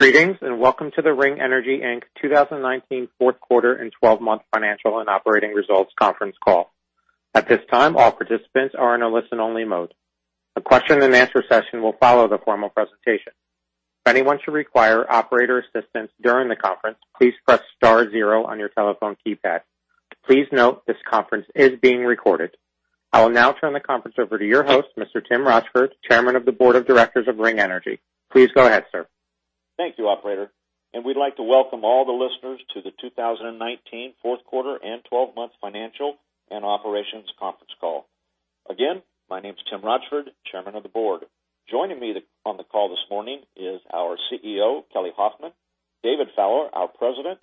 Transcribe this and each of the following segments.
Greetings, welcome to the Ring Energy, Inc. 2019 fourth quarter and 12-month financial and operating results conference call. At this time, all participants are in a listen-only mode. A question-and-answer session will follow the formal presentation. If anyone should require operator assistance during the conference, please press star zero on your telephone keypad. Please note this conference is being recorded. I will now turn the conference over to your host, Mr. Tim Rochford, Chairman of the Board of Directors of Ring Energy. Please go ahead, sir. Thank you, operator. We'd like to welcome all the listeners to the 2019 fourth quarter and 12-month financial and operations conference call. Again, my name is Tim Rochford, Chairman of the Board. Joining me on the call this morning is our CEO, Kelly Hoffman; David Fowler, our President;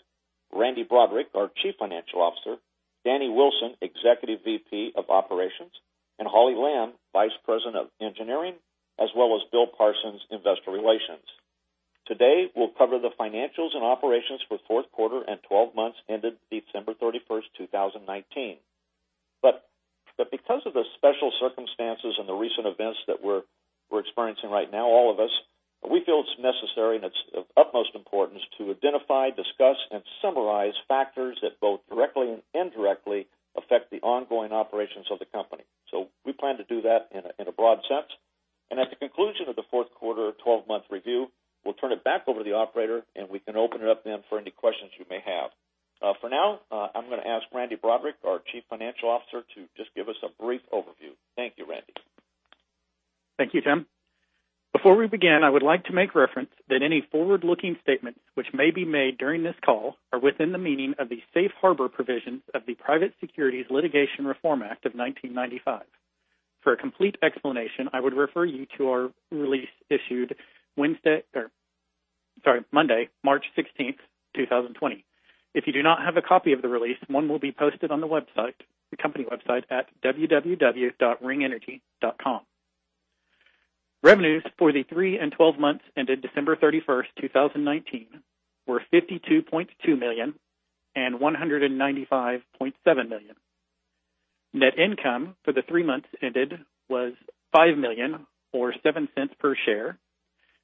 Randy Broaddrick, our Chief Financial Officer; Danny Wilson, Executive Vice President of Operations; and Hollie Lamb, Vice President of Engineering; as well as Bill Parsons, Investor Relations. Today, we'll cover the financials and operations for fourth quarter and 12 months ended December 31st, 2019. Because of the special circumstances and the recent events that we're experiencing right now, all of us, we feel it's necessary and it's of utmost importance to identify, discuss, and summarize factors that both directly and indirectly affect the ongoing operations of the company. We plan to do that in a broad sense. At the conclusion of the fourth quarter 12-month review, we'll turn it back over to the operator, and we can open it up then for any questions you may have. For now, I'm going to ask Randy Broaddrick, our Chief Financial Officer, to just give us a brief overview. Thank you, Randy. Thank you, Tim. Before we begin, I would like to make reference that any forward-looking statements which may be made during this call are within the meaning of the Safe Harbor provisions of the Private Securities Litigation Reform Act of 1995. For a complete explanation, I would refer you to our release issued Monday, March 16th, 2020. If you do not have a copy of the release, one will be posted on the company website at www.ringenergy.com. Revenues for the three and 12 months ended December 31st, 2019 were $52.2 million and $195.7 million. Net income for the three months ended was $5 million, or $0.07 per share,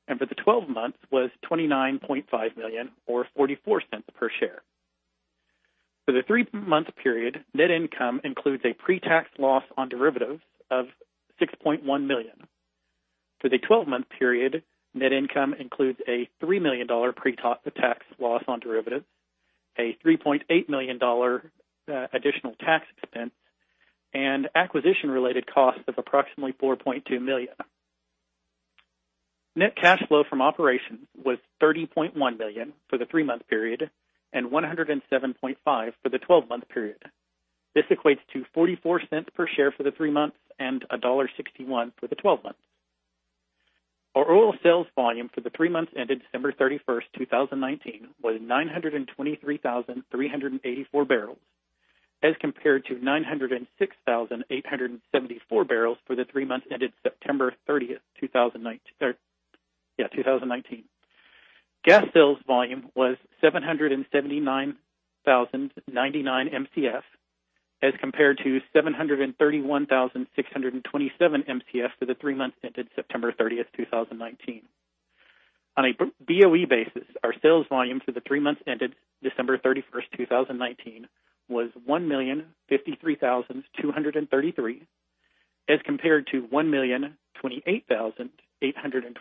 and for the 12 months was $29.5 million or $0.44 per share. For the three-month period, net income includes a pre-tax loss on derivatives of $6.1 million. For the 12-month period, net income includes a $3 million pre-tax loss on derivatives, a $3.8 million additional tax expense, and acquisition-related costs of approximately $4.2 million. Net cash flow from operations was $30.1 million for the three-month period and $107.5 million for the 12-month period. This equates to $0.44 per share for the three months and $1.61 for the 12 months. Our oil sales volume for the three months ended December 31st, 2019, was 923,384 bbl as compared to 906,874 bbl for the three months ended September 30th, 2019. Gas sales volume was 779,099 Mcf as compared to 731,627 Mcf for the three months ended September 30th, 2019. On a BOE basis, our sales volume for the three months ended December 31st, 2019, was 1,053,233 Mcf as compared to 1,028,812 Mcf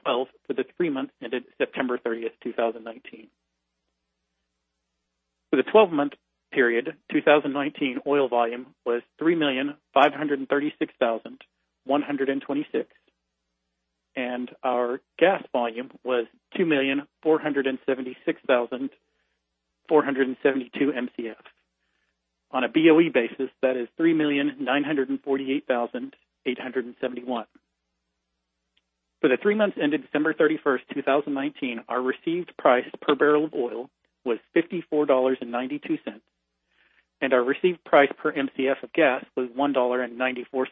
for the three months ended September 30th, 2019. For the 12-month period, 2019 oil volume was 3,536,126 Mcf, and our gas volume was 2,476,472 Mcf. On a BOE basis, that is 3,948,871 Mcf. For the three months ended December 31st, 2019, our received price per barrel of oil was $54.92, and our received price per Mcf of gas was $1.94.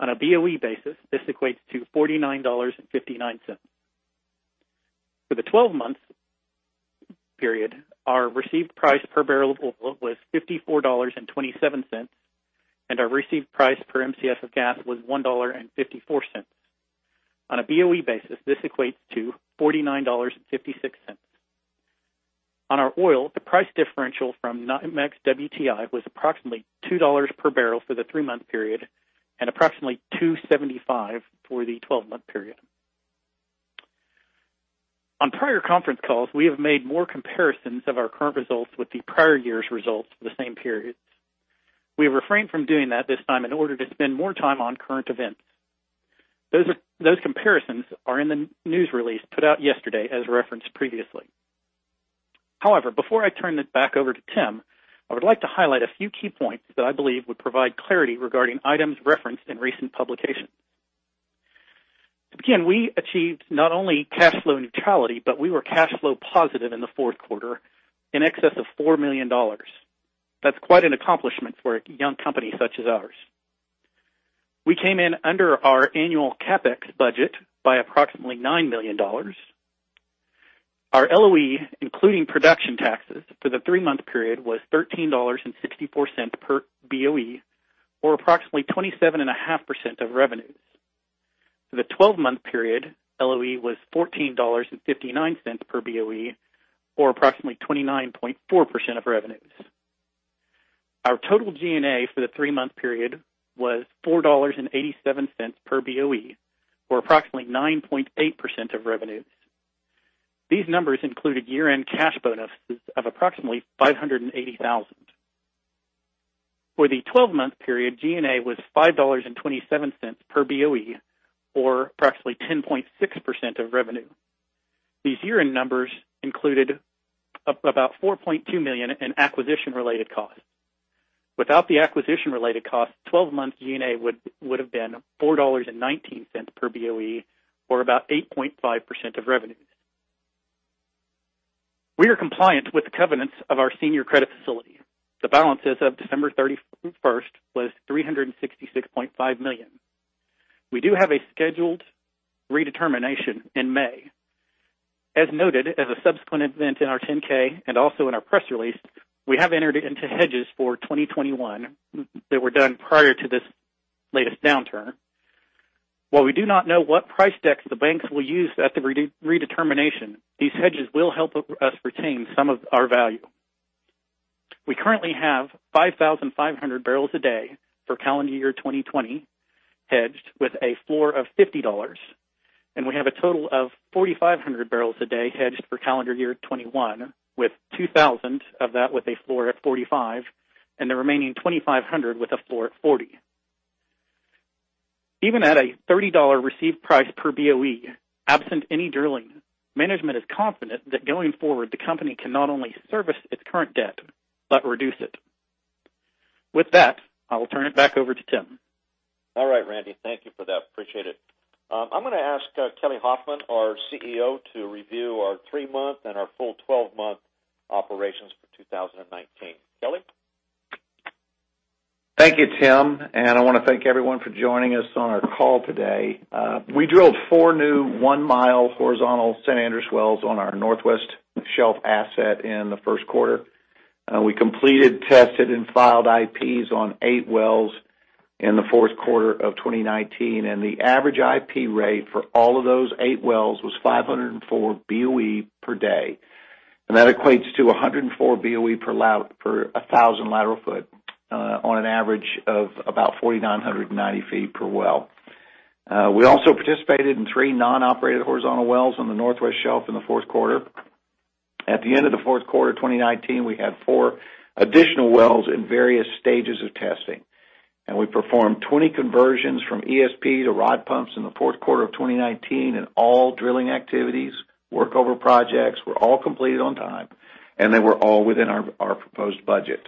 On a BOE basis, this equates to $49.59. For the 12-month period, our received price per barrel of oil was $54.27, and our received price per Mcf of gas was $1.54. On a BOE basis, this equates to $49.56. On our oil, the price differential from NYMEX WTI was approximately $2 per barrel for the three-month period and approximately $2.75 for the 12-month period. On prior conference calls, we have made more comparisons of our current results with the prior year's results for the same periods. We refrained from doing that this time in order to spend more time on current events. Those comparisons are in the news release put out yesterday as referenced previously. Before I turn it back over to Tim, I would like to highlight a few key points that I believe would provide clarity regarding items referenced in recent publications. We achieved not only cash flow neutrality, but we were cash flow positive in the fourth quarter in excess of $4 million. That's quite an accomplishment for a young company such as ours. We came in under our annual CapEx budget by approximately $9 million. Our LOE, including production taxes for the three-month period, was $13.64 per BOE or approximately 27.5% of revenues. For the 12-month period, LOE was $14.59 per BOE, or approximately 29.4% of revenues. Our total G&A for the three-month period was $4.87 per BOE, or approximately 9.8% of revenues. These numbers included year-end cash bonuses of approximately $580,000. For the 12-month period, G&A was $5.27 per BOE, or approximately 10.6% of revenue. These year-end numbers included about $4.2 million in acquisition-related costs. Without the acquisition-related costs, 12 months G&A would've been $4.19 per BOE, or about 8.5% of revenues. We are compliant with the covenants of our senior credit facility. The balances of December 31st was $366.5 million. We do have a scheduled redetermination in May. As noted, as a subsequent event in our 10-K and also in our press release, we have entered into hedges for 2021 that were done prior to this latest downturn. While we do not know what price decks the banks will use at the redetermination, these hedges will help us retain some of our value. We currently have 5,500 bpd for calendar year 2020 hedged with a floor of $50, and we have a total of 4,500 bpd hedged for calendar year 2021, with 2,000 of that with a floor at $45, and the remaining 2,500 with a floor at $40. Even at a $30 received price per BOE, absent any drilling, management is confident that going forward, the company can not only service its current debt, but reduce it. With that, I will turn it back over to Tim. All right, Randy. Thank you for that. Appreciate it. I'm gonna ask Kelly Hoffman, our CEO, to review our three-month and our full 12-month operations for 2019. Kelly? Thank you, Tim. I want to thank everyone for joining us on our call today. We drilled four new 1-mile horizontal San Andres wells on our Northwest Shelf asset in the first quarter. We completed, tested, and filed IPs on eight wells in the fourth quarter of 2019. The average IP rate for all of those eight wells was 504 boepd, and that equates to 104 BOE per 1,000 lateral foot on an average of about 4,990 ft per well. We also participated in three non-operated horizontal wells on the Northwest Shelf in the fourth quarter. At the end of the fourth quarter 2019, we had four additional wells in various stages of testing. We performed 20 conversions from ESP to rod pumps in the fourth quarter of 2019. All drilling activities, workover projects were all completed on time. They were all within our proposed budget.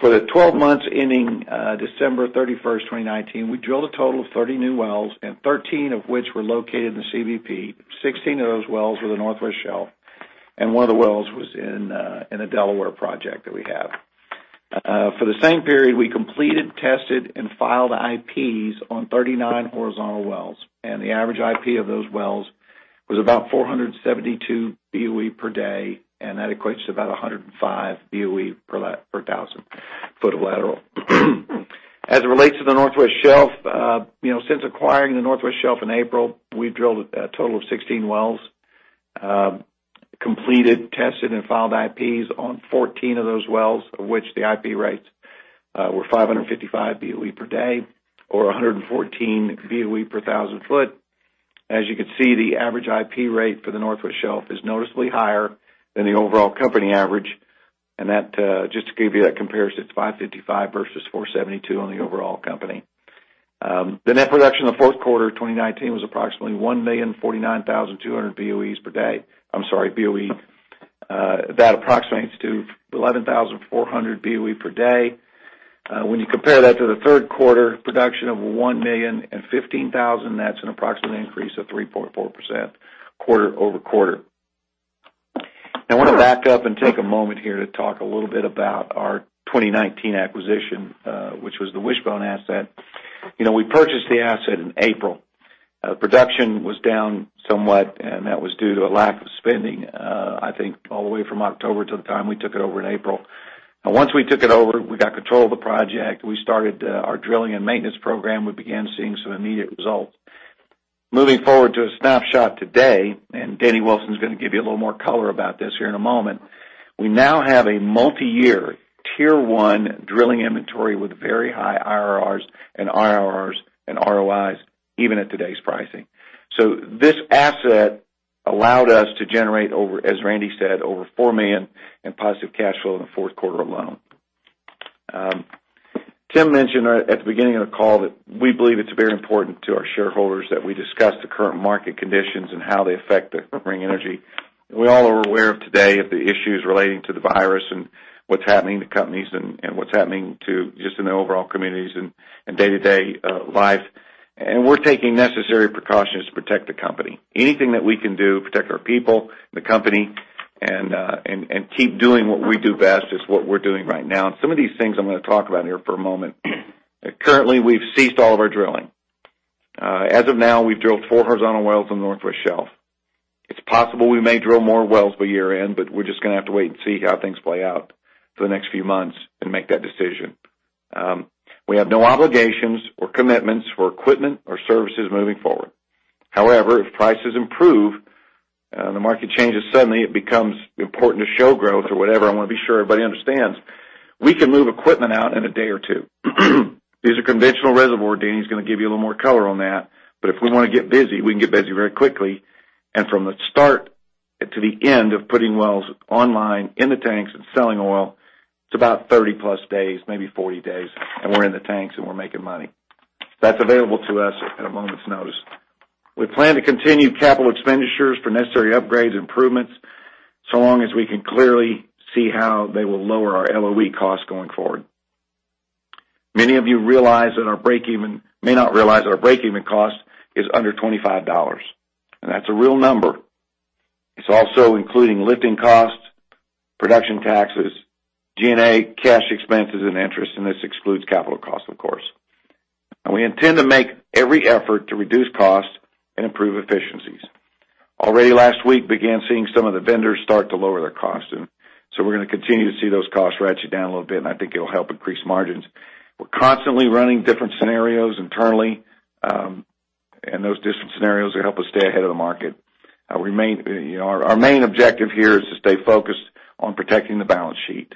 For the 12 months ending December 31st, 2019, we drilled a total of 30 new wells. 13 of which were located in the CBP. 16 of those wells were the Northwest Shelf. One of the wells was in a Delaware project that we have. For the same period, we completed, tested, and filed IPs on 39 horizontal wells. The average IP of those wells was about 472 boepd. That equates to about 105 BOE per 1,000 ft of lateral. As it relates to the Northwest Shelf, since acquiring the Northwest Shelf in April, we've drilled a total of 16 wells, completed, tested, and filed IPs on 14 of those wells, of which the IP rates were 555 BOE per day, or 114 BOE per 1,000 ft. As you can see, the average IP rate for the Northwest Shelf is noticeably higher than the overall company average, and that just to give you that comparison, it's 555 versus 472 on the overall company. The net production of the fourth quarter 2019 was approximately 1,049,200 boepd, I'm sorry, BOE. That approximates to 11,400 boepd. When you compare that to the third quarter production of 1,015,000, that's an approximate increase of 3.4% quarter-over-quarter. I want to back up and take a moment here to talk a little bit about our 2019 acquisition, which was the Wishbone asset. We purchased the asset in April. Production was down somewhat, and that was due to a lack of spending, I think all the way from October till the time we took it over in April. Once we took it over, we got control of the project. We started our drilling and maintenance program. We began seeing some immediate results. Moving forward to a snapshot today, and Danny Wilson's gonna give you a little more color about this here in a moment. We now have a multi-year, Tier 1 drilling inventory with very high IRRs and ROIs even at today's pricing. This asset allowed us to generate over, as Randy said, over $4 million in positive cash flow in the fourth quarter alone. Tim mentioned at the beginning of the call that we believe it's very important to our shareholders that we discuss the current market conditions and how they affect Ring Energy. We all are aware of today of the issues relating to the virus and what's happening to companies and what's happening to just in the overall communities and day-to-day life, we're taking necessary precautions to protect the company. Anything that we can do to protect our people, the company, and keep doing what we do best is what we're doing right now. Some of these things I'm gonna talk about here for a moment. Currently, we've ceased all of our drilling. As of now, we've drilled four horizontal wells on the Northwest Shelf. It's possible we may drill more wells by year-end. We're just going to have to wait and see how things play out for the next few months and make that decision. We have no obligations or commitments for equipment or services moving forward. However, if prices improve, the market changes suddenly, it becomes important to show growth or whatever. I want to be sure everybody understands, we can move equipment out in a day or two. These are conventional reservoir. Danny's going to give you a little more color on that. If we want to get busy, we can get busy very quickly. From the start to the end of putting wells online in the tanks and selling oil, it's about 30+ days, maybe 40 days, and we're in the tanks and we're making money. That's available to us at a moment's notice. We plan to continue capital expenditures for necessary upgrades improvements, so long as we can clearly see how they will lower our LOE costs going forward. Many of you may not realize that our breakeven cost is under $25. That's a real number. It's also including lifting costs, production taxes, G&A, cash expenses, and interest. This excludes capital costs, of course. We intend to make every effort to reduce costs and improve efficiencies. Already last week began seeing some of the vendors start to lower their costs. We're going to continue to see those costs ratchet down a little bit, I think it'll help increase margins. We're constantly running different scenarios internally. Those different scenarios will help us stay ahead of the market. Our main objective here is to stay focused on protecting the balance sheet.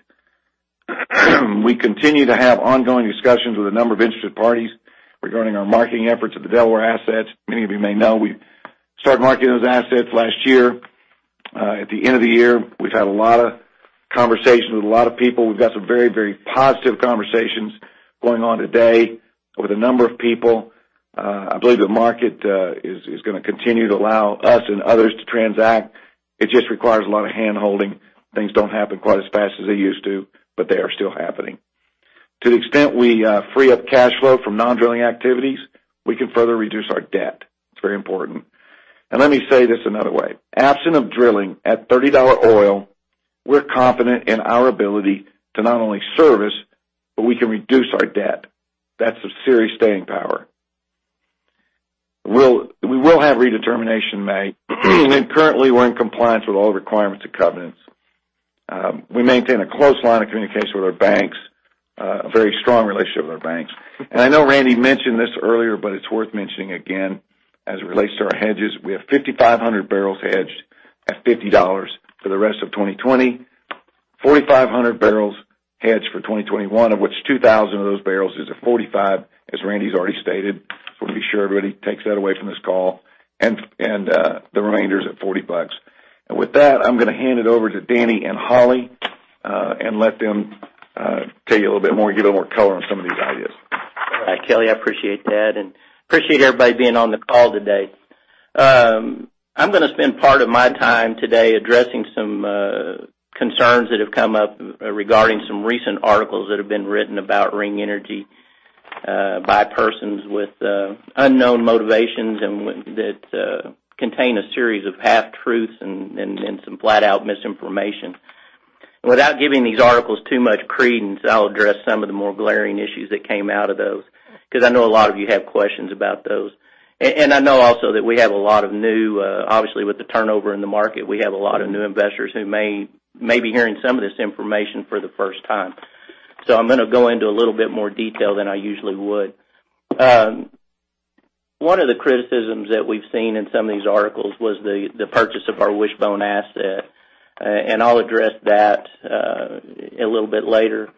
We continue to have ongoing discussions with a number of interested parties regarding our marketing efforts of the Delaware assets. Many of you may know we started marketing those assets last year. At the end of the year, we've had a lot of conversations with a lot of people. We've got some very positive conversations going on today with a number of people. I believe the market is going to continue to allow us and others to transact. It just requires a lot of handholding. Things don't happen quite as fast as they used to, but they are still happening. To the extent we free up cash flow from non-drilling activities, we can further reduce our debt. It's very important. Let me say this another way. Absent of drilling at $30 oil, we're confident in our ability to not only service, but we can reduce our debt. That's a serious staying power. We will have redetermination made, currently we're in compliance with all requirements and covenants. We maintain a close line of communication with our banks, a very strong relationship with our banks. I know Randy mentioned this earlier, but it's worth mentioning again as it relates to our hedges. We have 5,500 bbl hedged at $50 for the rest of 2020, 4,500 bbl hedged for 2021, of which 2,000 of those barrels is at $45, as Randy's already stated. We want to be sure everybody takes that away from this call, and the remainder is at $40. With that, I'm going to hand it over to Danny and Hollie, and let them tell you a little bit more, give a little more color on some of these ideas. All right, Kelly, I appreciate that, and appreciate everybody being on the call today. I'm going to spend part of my time today addressing some concerns that have come up regarding some recent articles that have been written about Ring Energy by persons with unknown motivations and that contain a series of half-truths and some flat-out misinformation. Without giving these articles too much credence, I'll address some of the more glaring issues that came out of those, because I know a lot of you have questions about those. I know also that obviously, with the turnover in the market, we have a lot of new investors who may be hearing some of this information for the first time. I'm going to go into a little bit more detail than I usually would. One of the criticisms that we've seen in some of these articles was the purchase of our Wishbone asset. I'll address that a little bit later.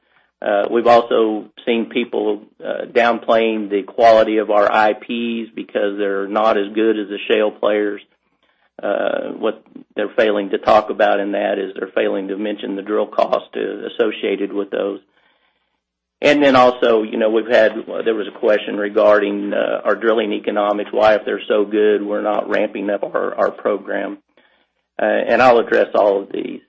We've also seen people downplaying the quality of our IPs because they're not as good as the shale players. What they're failing to talk about in that is they're failing to mention the drill cost associated with those. Also, there was a question regarding our drilling economics, why, if they're so good, we're not ramping up our program. I'll address all of these.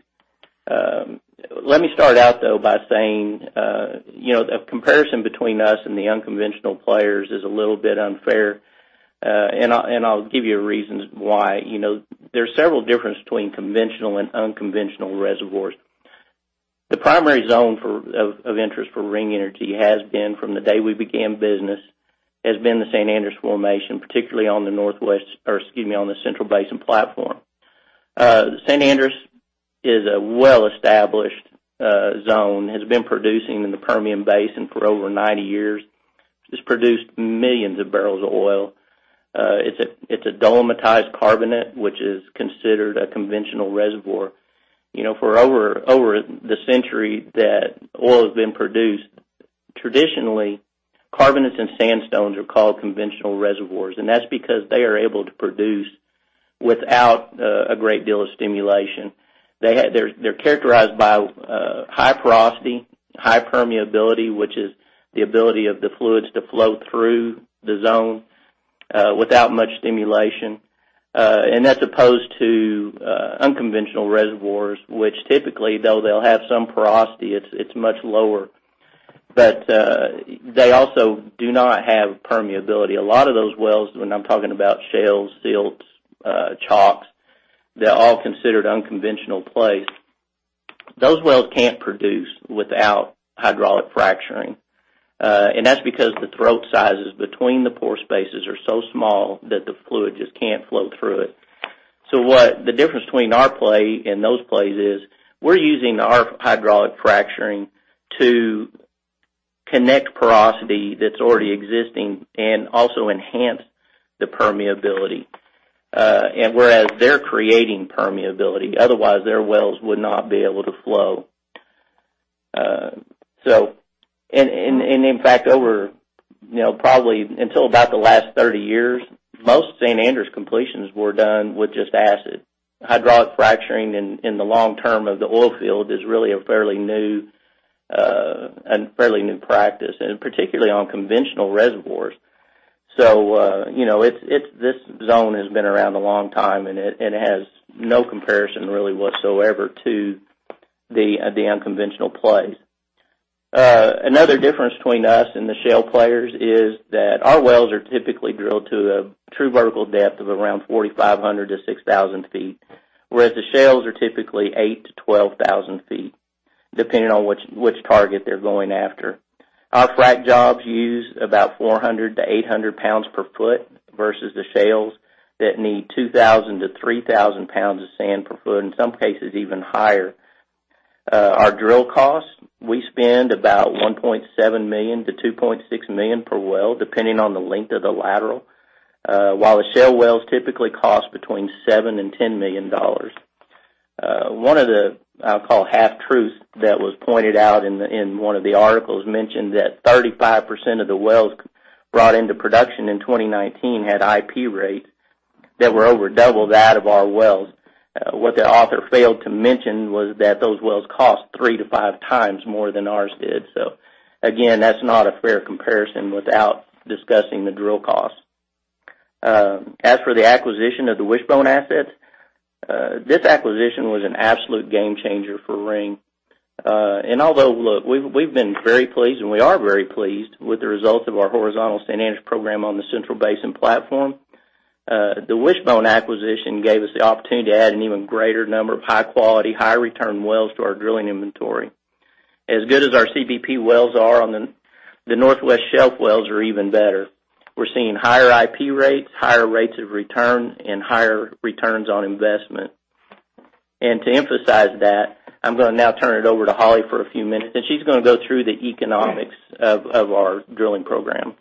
Let me start out, though, by saying, a comparison between us and the unconventional players is a little bit unfair. I'll give you reasons why. There's several difference between conventional and unconventional reservoirs. The primary zone of interest for Ring Energy has been, from the day we began business, has been the San Andres Formation, particularly on the Central Basin Platform. San Andres is a well-established zone, has been producing in the Permian Basin for over 90 years. It's produced millions of barrels of oil. It's a dolomitized carbonate, which is considered a conventional reservoir. For over the century that oil has been produced, traditionally, carbonates and sandstones are called conventional reservoirs. That's because they are able to produce without a great deal of stimulation. They're characterized by high porosity, high permeability, which is the ability of the fluids to flow through the zone without much stimulation. That's opposed to unconventional reservoirs, which typically, though they'll have some porosity, it's much lower, but they also do not have permeability. A lot of those wells, when I'm talking about shales, silts, chalks, they're all considered unconventional plays. Those wells can't produce without hydraulic fracturing, and that's because the throat sizes between the pore spaces are so small that the fluid just can't flow through it. The difference between our play and those plays is we're using our hydraulic fracturing to connect porosity that's already existing and also enhance the permeability. Whereas they're creating permeability, otherwise their wells would not be able to flow. In fact, probably until about the last 30 years, most San Andres completions were done with just acid. Hydraulic fracturing in the long term of the oil field is really a fairly new practice, and particularly on conventional reservoirs. This zone has been around a long time, and it has no comparison, really, whatsoever to the unconventional plays. Another difference between us and the shale players is that our wells are typically drilled to a true vertical depth of around 4,500 ft-6,000 ft, whereas the shales are typically 8,000 ft-12,000 ft, depending on which target they're going after. Our frack jobs use about 400 lbs-800 lbs per foot versus the shales that need 2,000 lbs-3,000 lbs of sand per foot, in some cases even higher. Our drill costs, we spend about $1.7 million-$2.6 million per well, depending on the length of the lateral, while the shale wells typically cost between $7 million and $10 million. One of the, I'll call, half-truths that was pointed out in one of the articles mentioned that 35% of the wells brought into production in 2019 had IP rates that were over double that of our wells. What the author failed to mention was that those wells cost 3x-5x more than ours did. Again, that's not a fair comparison without discussing the drill cost. As for the acquisition of the Wishbone assets, this acquisition was an absolute game changer for Ring. Although, look, we've been very pleased, and we are very pleased with the results of our horizontal San Andres program on the Central Basin Platform. The Wishbone acquisition gave us the opportunity to add an even greater number of high-quality, high-return wells to our drilling inventory. As good as our CBP wells are, the Northwest Shelf wells are even better. We're seeing higher IP rates, higher rates of return, and higher returns on investment. To emphasize that, I'm going to now turn it over to Hollie for a few minutes, and she's going to go through the economics of our drilling program.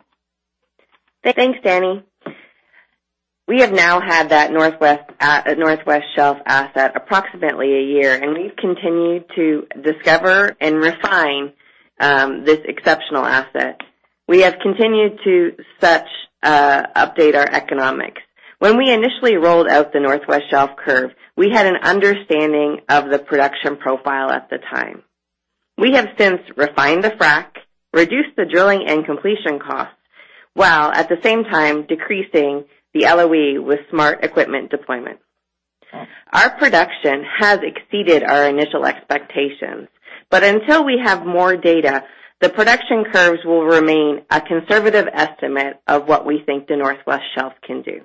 Thanks, Danny. We have now had that Northwest Shelf asset approximately a year, and we've continued to discover and refine this exceptional asset. We have continued to update our economics. When we initially rolled out the Northwest Shelf curve, we had an understanding of the production profile at the time. We have since refined the frack, reduced the drilling and completion costs, while at the same time decreasing the LOE with smart equipment deployment. Our production has exceeded our initial expectations, but until we have more data, the production curves will remain a conservative estimate of what we think the Northwest Shelf can do.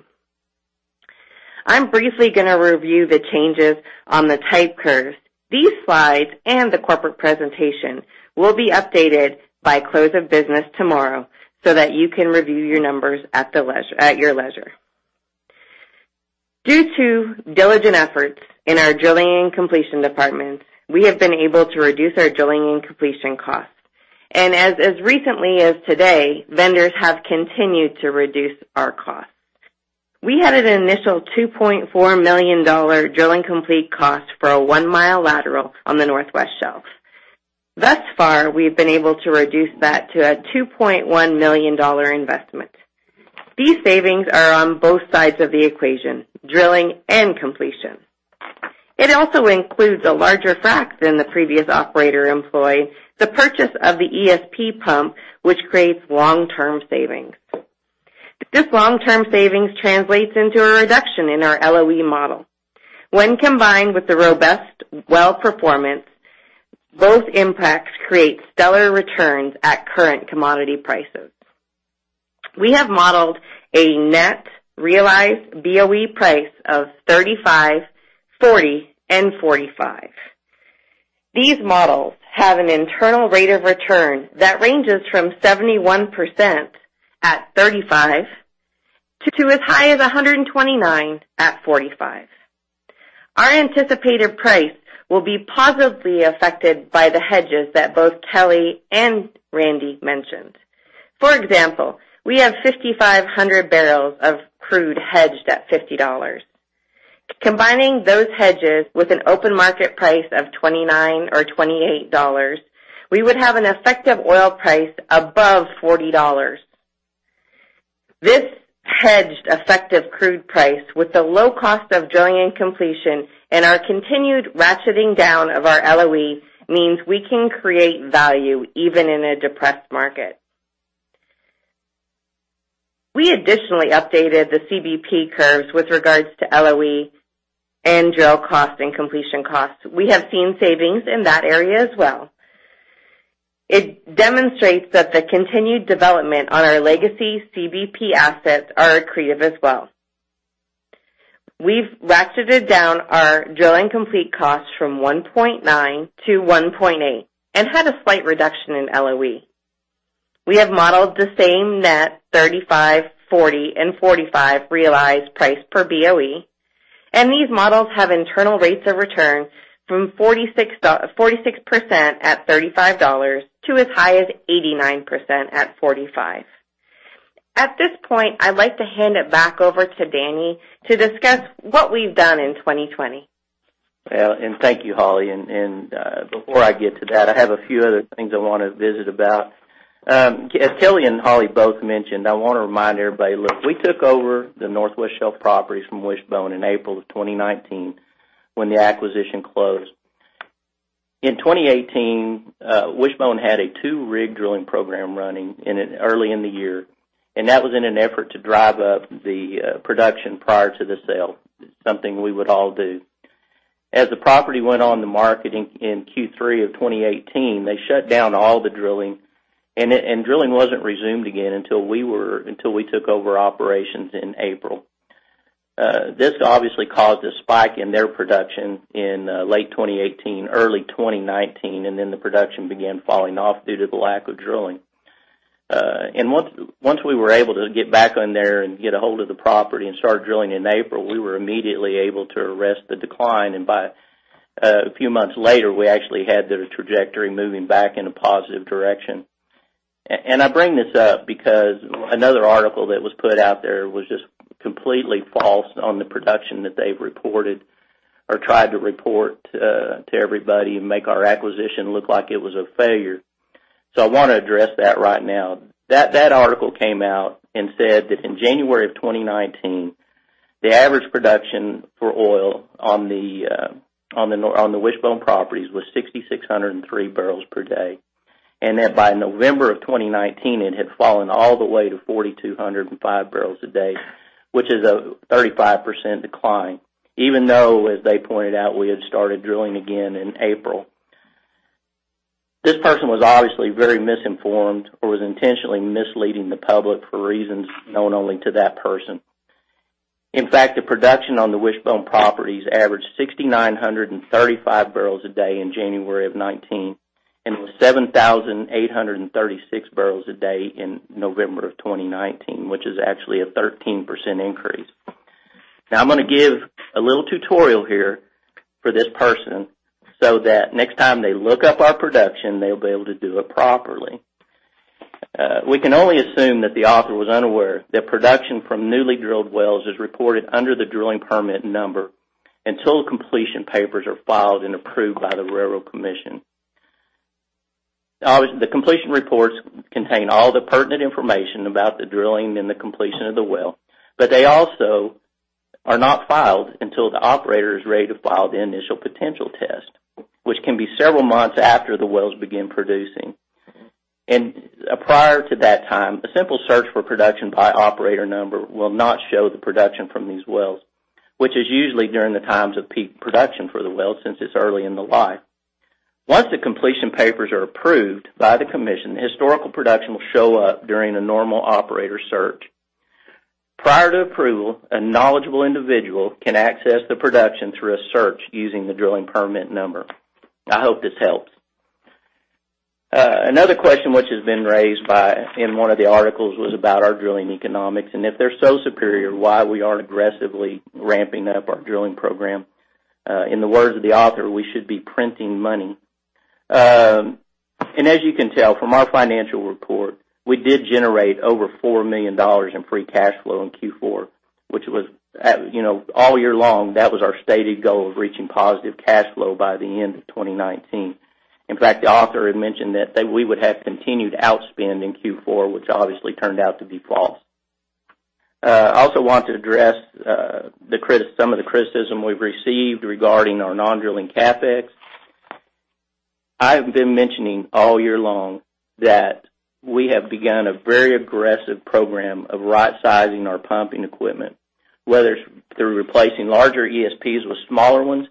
I'm briefly going to review the changes on the type curves. These slides and the corporate presentation will be updated by close of business tomorrow so that you can review your numbers at your leisure. Due to diligent efforts in our drilling and completion department, we have been able to reduce our drilling and completion costs. As recently as today, vendors have continued to reduce our costs. We had an initial $2.4 million drill and complete cost for a 1-mile lateral on the Northwest Shelf. Thus far, we've been able to reduce that to a $2.1 million investment. These savings are on both sides of the equation, drilling and completion. It also includes a larger frack than the previous operator employed, the purchase of the ESP pump, which creates long-term savings. This long-term savings translates into a reduction in our LOE model. When combined with the robust well performance, both impacts create stellar returns at current commodity prices. We have modeled a net realized BOE price of $35, $40, and $45. These models have an internal rate of return that ranges from 71% at $35 to as high as 129% at $45. Our anticipated price will be positively affected by the hedges that both Kelly and Randy mentioned. For example, we have 5,500 bbl of crude hedged at $50. Combining those hedges with an open market price of $29 or $28, we would have an effective oil price above $40. This hedged effective crude price with the low cost of drilling and completion and our continued ratcheting down of our LOE means we can create value even in a depressed market. We additionally updated the CBP curves with regards to LOE and drill cost and completion cost. We have seen savings in that area as well. It demonstrates that the continued development on our legacy CBP assets are accretive as well. We've ratcheted down our drill and complete costs from 1.9 to 1.8 and had a slight reduction in LOE. We have modeled the same net $35, $40, and $45 realized price per BOE. These models have internal rates of return from 46% at $35 to as high as 89% at $45. At this point, I'd like to hand it back over to Danny to discuss what we've done in 2020. Thank you, Hollie. Before I get to that, I have a few other things I want to visit about. As Kelly and Hollie both mentioned, I want to remind everybody, look, we took over the Northwest Shelf properties from Wishbone in April of 2019, when the acquisition closed. In 2018, Wishbone had a two-rig drilling program running early in the year, that was in an effort to drive up the production prior to the sale, something we would all do. As the property went on the market in Q3 of 2018, they shut down all the drilling wasn't resumed again until we took over operations in April. This obviously caused a spike in their production in late 2018, early 2019, the production began falling off due to the lack of drilling. Once we were able to get back on there and get ahold of the property and start drilling in April, we were immediately able to arrest the decline, and by a few months later, we actually had the trajectory moving back in a positive direction. I bring this up because another article that was put out there was just completely false on the production that they've reported or tried to report to everybody and make our acquisition look like it was a failure. I want to address that right now. That article came out and said that in January of 2019, the average production for oil on the Wishbone properties was 6,603 bpd, and that by November of 2019, it had fallen all the way to 4,205 bpd, which is a 35% decline, even though, as they pointed out, we had started drilling again in April. This person was obviously very misinformed or was intentionally misleading the public for reasons known only to that person. In fact, the production on the Wishbone properties averaged 6,935 bpd in January of 2019 and was 7,836 bpd in November of 2019, which is actually a 13% increase. Now, I'm gonna give a little tutorial here for this person so that next time they look up our production, they'll be able to do it properly. We can only assume that the author was unaware that production from newly drilled wells is reported under the drilling permit number until the completion papers are filed and approved by the Railroad Commission. Obviously, the completion reports contain all the pertinent information about the drilling and the completion of the well, but they also are not filed until the operator is ready to file the initial potential test, which can be several months after the wells begin producing. Prior to that time, a simple search for production by operator number will not show the production from these wells, which is usually during the times of peak production for the well since it's early in the life. Once the completion papers are approved by the commission, the historical production will show up during a normal operator search. Prior to approval, a knowledgeable individual can access the production through a search using the drilling permit number. I hope this helps. Another question which has been raised in one of the articles was about our drilling economics, and if they're so superior, why we aren't aggressively ramping up our drilling program. In the words of the author, we should be printing money. As you can tell from our financial report, we did generate over $4 million in free cash flow in Q4, which was all year long, that was our stated goal of reaching positive cash flow by the end of 2019. In fact, the author had mentioned that we would have continued outspend in Q4, which obviously turned out to be false. I also want to address some of the criticism we've received regarding our non-drilling CapEx. I have been mentioning all year long that we have begun a very aggressive program of right-sizing our pumping equipment, whether it's through replacing larger ESPs with smaller ones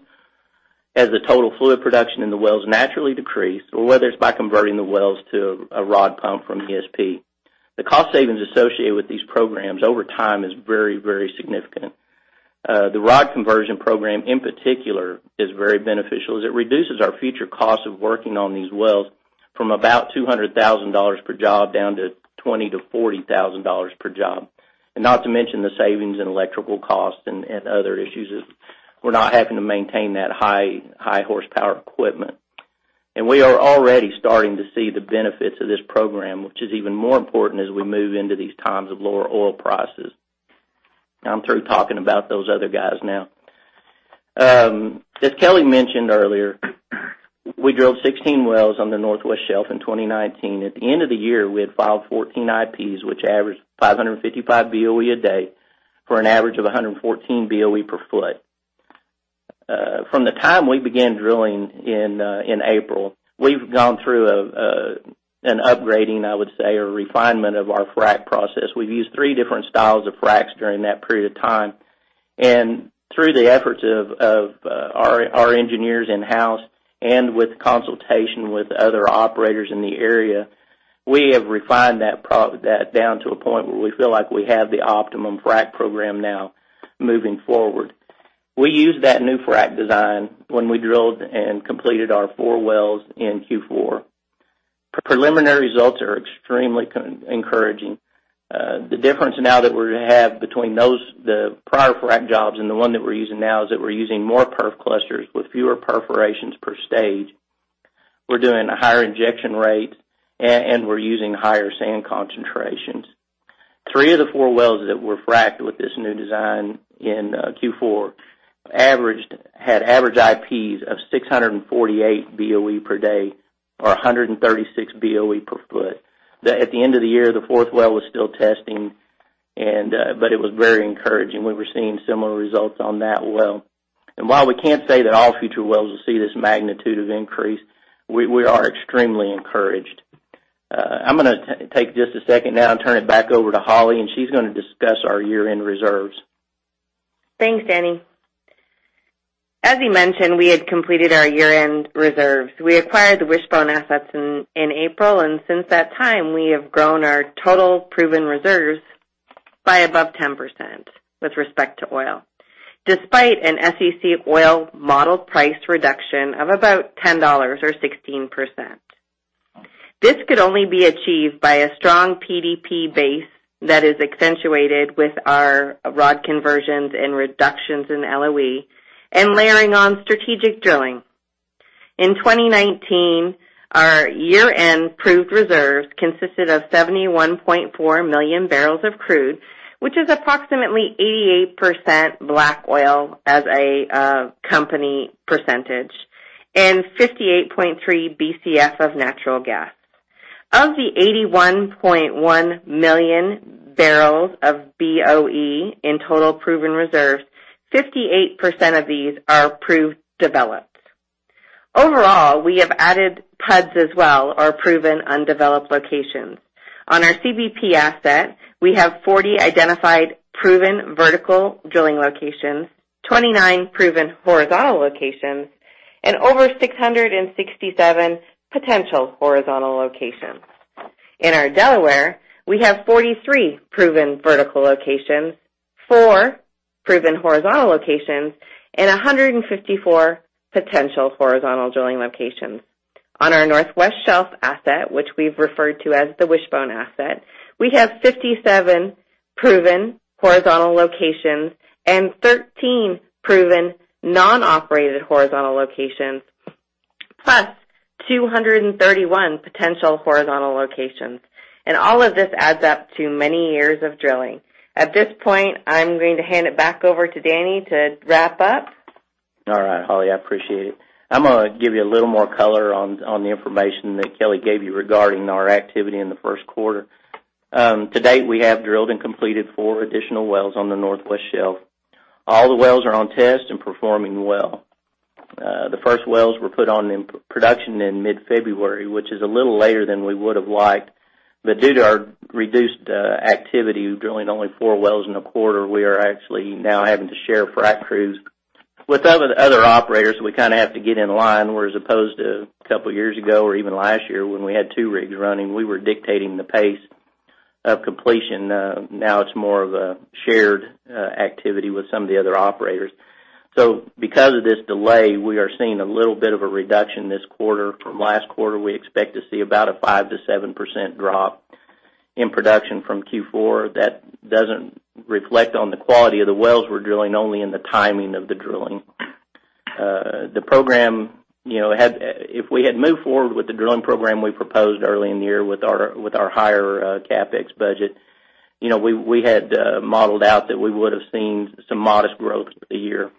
as the total fluid production in the wells naturally decrease, or whether it's by converting the wells to a rod pump from ESP. The cost savings associated with these programs over time is very, very significant. The rod conversion program, in particular, is very beneficial, as it reduces our future costs of working on these wells from about $200,000 per job down to $20,000-$40,000 per job. Not to mention the savings in electrical costs and other issues as we're not having to maintain that high horsepower equipment. We are already starting to see the benefits of this program, which is even more important as we move into these times of lower oil prices. I'm through talking about those other guys now. As Kelly mentioned earlier, we drilled 16 wells on the Northwest Shelf in 2019. At the end of the year, we had filed 14 IPs, which averaged 555 BOE a day for an average of 114 BOE per foot. From the time we began drilling in April, we've gone through an upgrading, I would say, or refinement of our frac process. We've used three different styles of fracs during that period of time. Through the efforts of our engineers in-house and with consultation with other operators in the area. We have refined that down to a point where we feel like we have the optimum frac program now moving forward. We used that new frac design when we drilled and completed our four wells in Q4. Preliminary results are extremely encouraging. The difference now that we have between the prior frac jobs and the one that we're using now is that we're using more perf clusters with fewer perforations per stage. We're doing a higher injection rate, we're using higher sand concentrations. Three of the four wells that were fracked with this new design in Q4 had average IPs of 648 BOE per day or 136 BOE per foot. At the end of the year, the fourth well was still testing, it was very encouraging. We were seeing similar results on that well. While we can't say that all future wells will see this magnitude of increase, we are extremely encouraged. I'm going to take just a second now and turn it back over to Hollie, and she's going to discuss our year-end reserves. Thanks, Danny. As he mentioned, we had completed our year-end reserves. We acquired the Wishbone assets in April, and since that time, we have grown our total proven reserves by above 10% with respect to oil, despite an SEC oil model price reduction of about $10 or 16%. This could only be achieved by a strong PDP base that is accentuated with our rod conversions and reductions in LOE and layering on strategic drilling. In 2019, our year-end proved reserves consisted of 71.4 million barrels of crude, which is approximately 88% black oil as a company percentage, and 58.3 Bcf of natural gas. Of the 81.1 million barrels of BOE in total proven reserves, 58% of these are proved developed. Overall, we have added PUDs as well, or proven undeveloped locations. On our CBP asset, we have 40 identified proven vertical drilling locations, 29 proven horizontal locations, and over 667 potential horizontal locations. In our Delaware, we have 43 proven vertical locations, four proven horizontal locations, and 154 potential horizontal drilling locations. On our Northwest Shelf asset, which we've referred to as the Wishbone asset, we have 57 proven horizontal locations and 13 proven non-operated horizontal locations, plus 231 potential horizontal locations. All of this adds up to many years of drilling. At this point, I'm going to hand it back over to Danny to wrap up. All right, Hollie, I appreciate it. I'm going to give you a little more color on the information that Kelly gave you regarding our activity in the first quarter. To date, we have drilled and completed four additional wells on the Northwest Shelf. All the wells are on test and performing well. The first wells were put on in production in mid-February, which is a little later than we would have liked. Due to our reduced activity, drilling only four wells in a quarter, we are actually now having to share frac crews with other operators, so we have to get in line, whereas opposed to a couple of years ago or even last year when we had two rigs running, we were dictating the pace of completion. It's more of a shared activity with some of the other operators. Because of this delay, we are seeing a little bit of a reduction this quarter. From last quarter, we expect to see about a 5%-7% drop in production from Q4. That doesn't reflect on the quality of the wells we're drilling, only in the timing of the drilling. If we had moved forward with the drilling program we proposed early in the year with our higher CapEx budget, we had modeled out that we would have seen some modest growth through the year.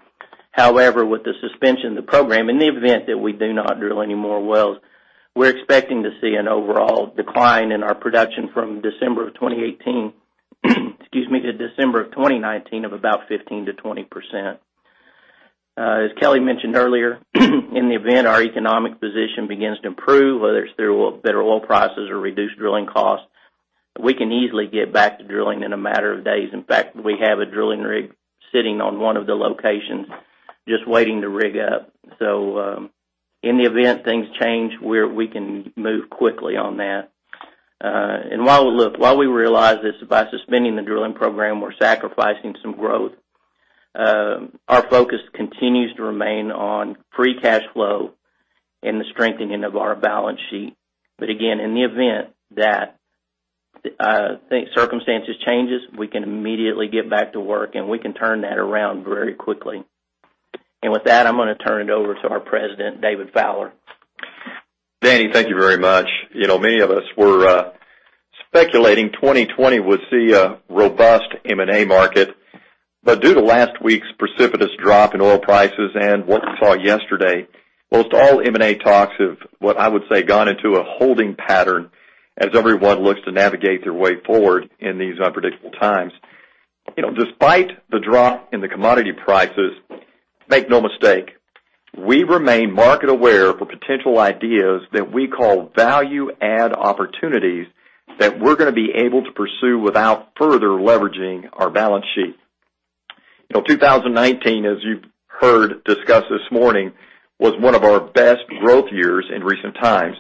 With the suspension of the program, in the event that we do not drill any more wells, we're expecting to see an overall decline in our production from December of 2018 to December of 2019 of about 15%-20%. As Kelly mentioned earlier, in the event our economic position begins to improve, whether it's through better oil prices or reduced drilling costs, we can easily get back to drilling in a matter of days. In fact, we have a drilling rig sitting on one of the locations just waiting to rig up. In the event things change, we can move quickly on that. While we realize this, by suspending the drilling program, we're sacrificing some growth. Our focus continues to remain on free cash flow and the strengthening of our balance sheet. Again, in the event that circumstances changes, we can immediately get back to work, and we can turn that around very quickly. With that, I'm going to turn it over to our President, David Fowler. Danny, thank you very much. Many of us were speculating 2020 would see a robust M&A market. Due to last week's precipitous drop in oil prices and what we saw yesterday, most all M&A talks have, what I would say, gone into a holding pattern as everyone looks to navigate their way forward in these unpredictable times. Despite the drop in the commodity prices, make no mistake, we remain market aware for potential ideas that we call value add opportunities that we're going to be able to pursue without further leveraging our balance sheet. 2019, as you've heard discussed this morning, was one of our best growth years in recent times.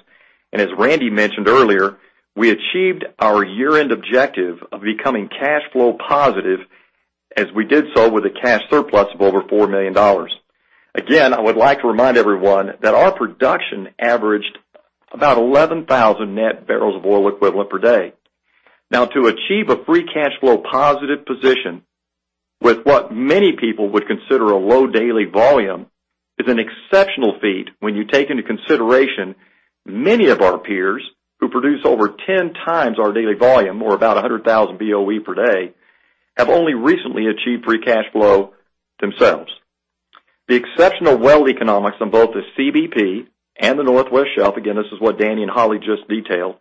As Randy mentioned earlier, we achieved our year-end objective of becoming cash flow positive as we did so with a cash surplus of over $4 million. I would like to remind everyone that our production averaged about 11,000 net barrels of oil equivalent per day. To achieve a free cash flow positive position with what many people would consider a low daily volume is an exceptional feat when you take into consideration many of our peers who produce over 10x our daily volume, or about 100,000 boepd, have only recently achieved free cash flow themselves. The exceptional well economics on both the CBP and the Northwest Shelf, again, this is what Danny and Hollie just detailed,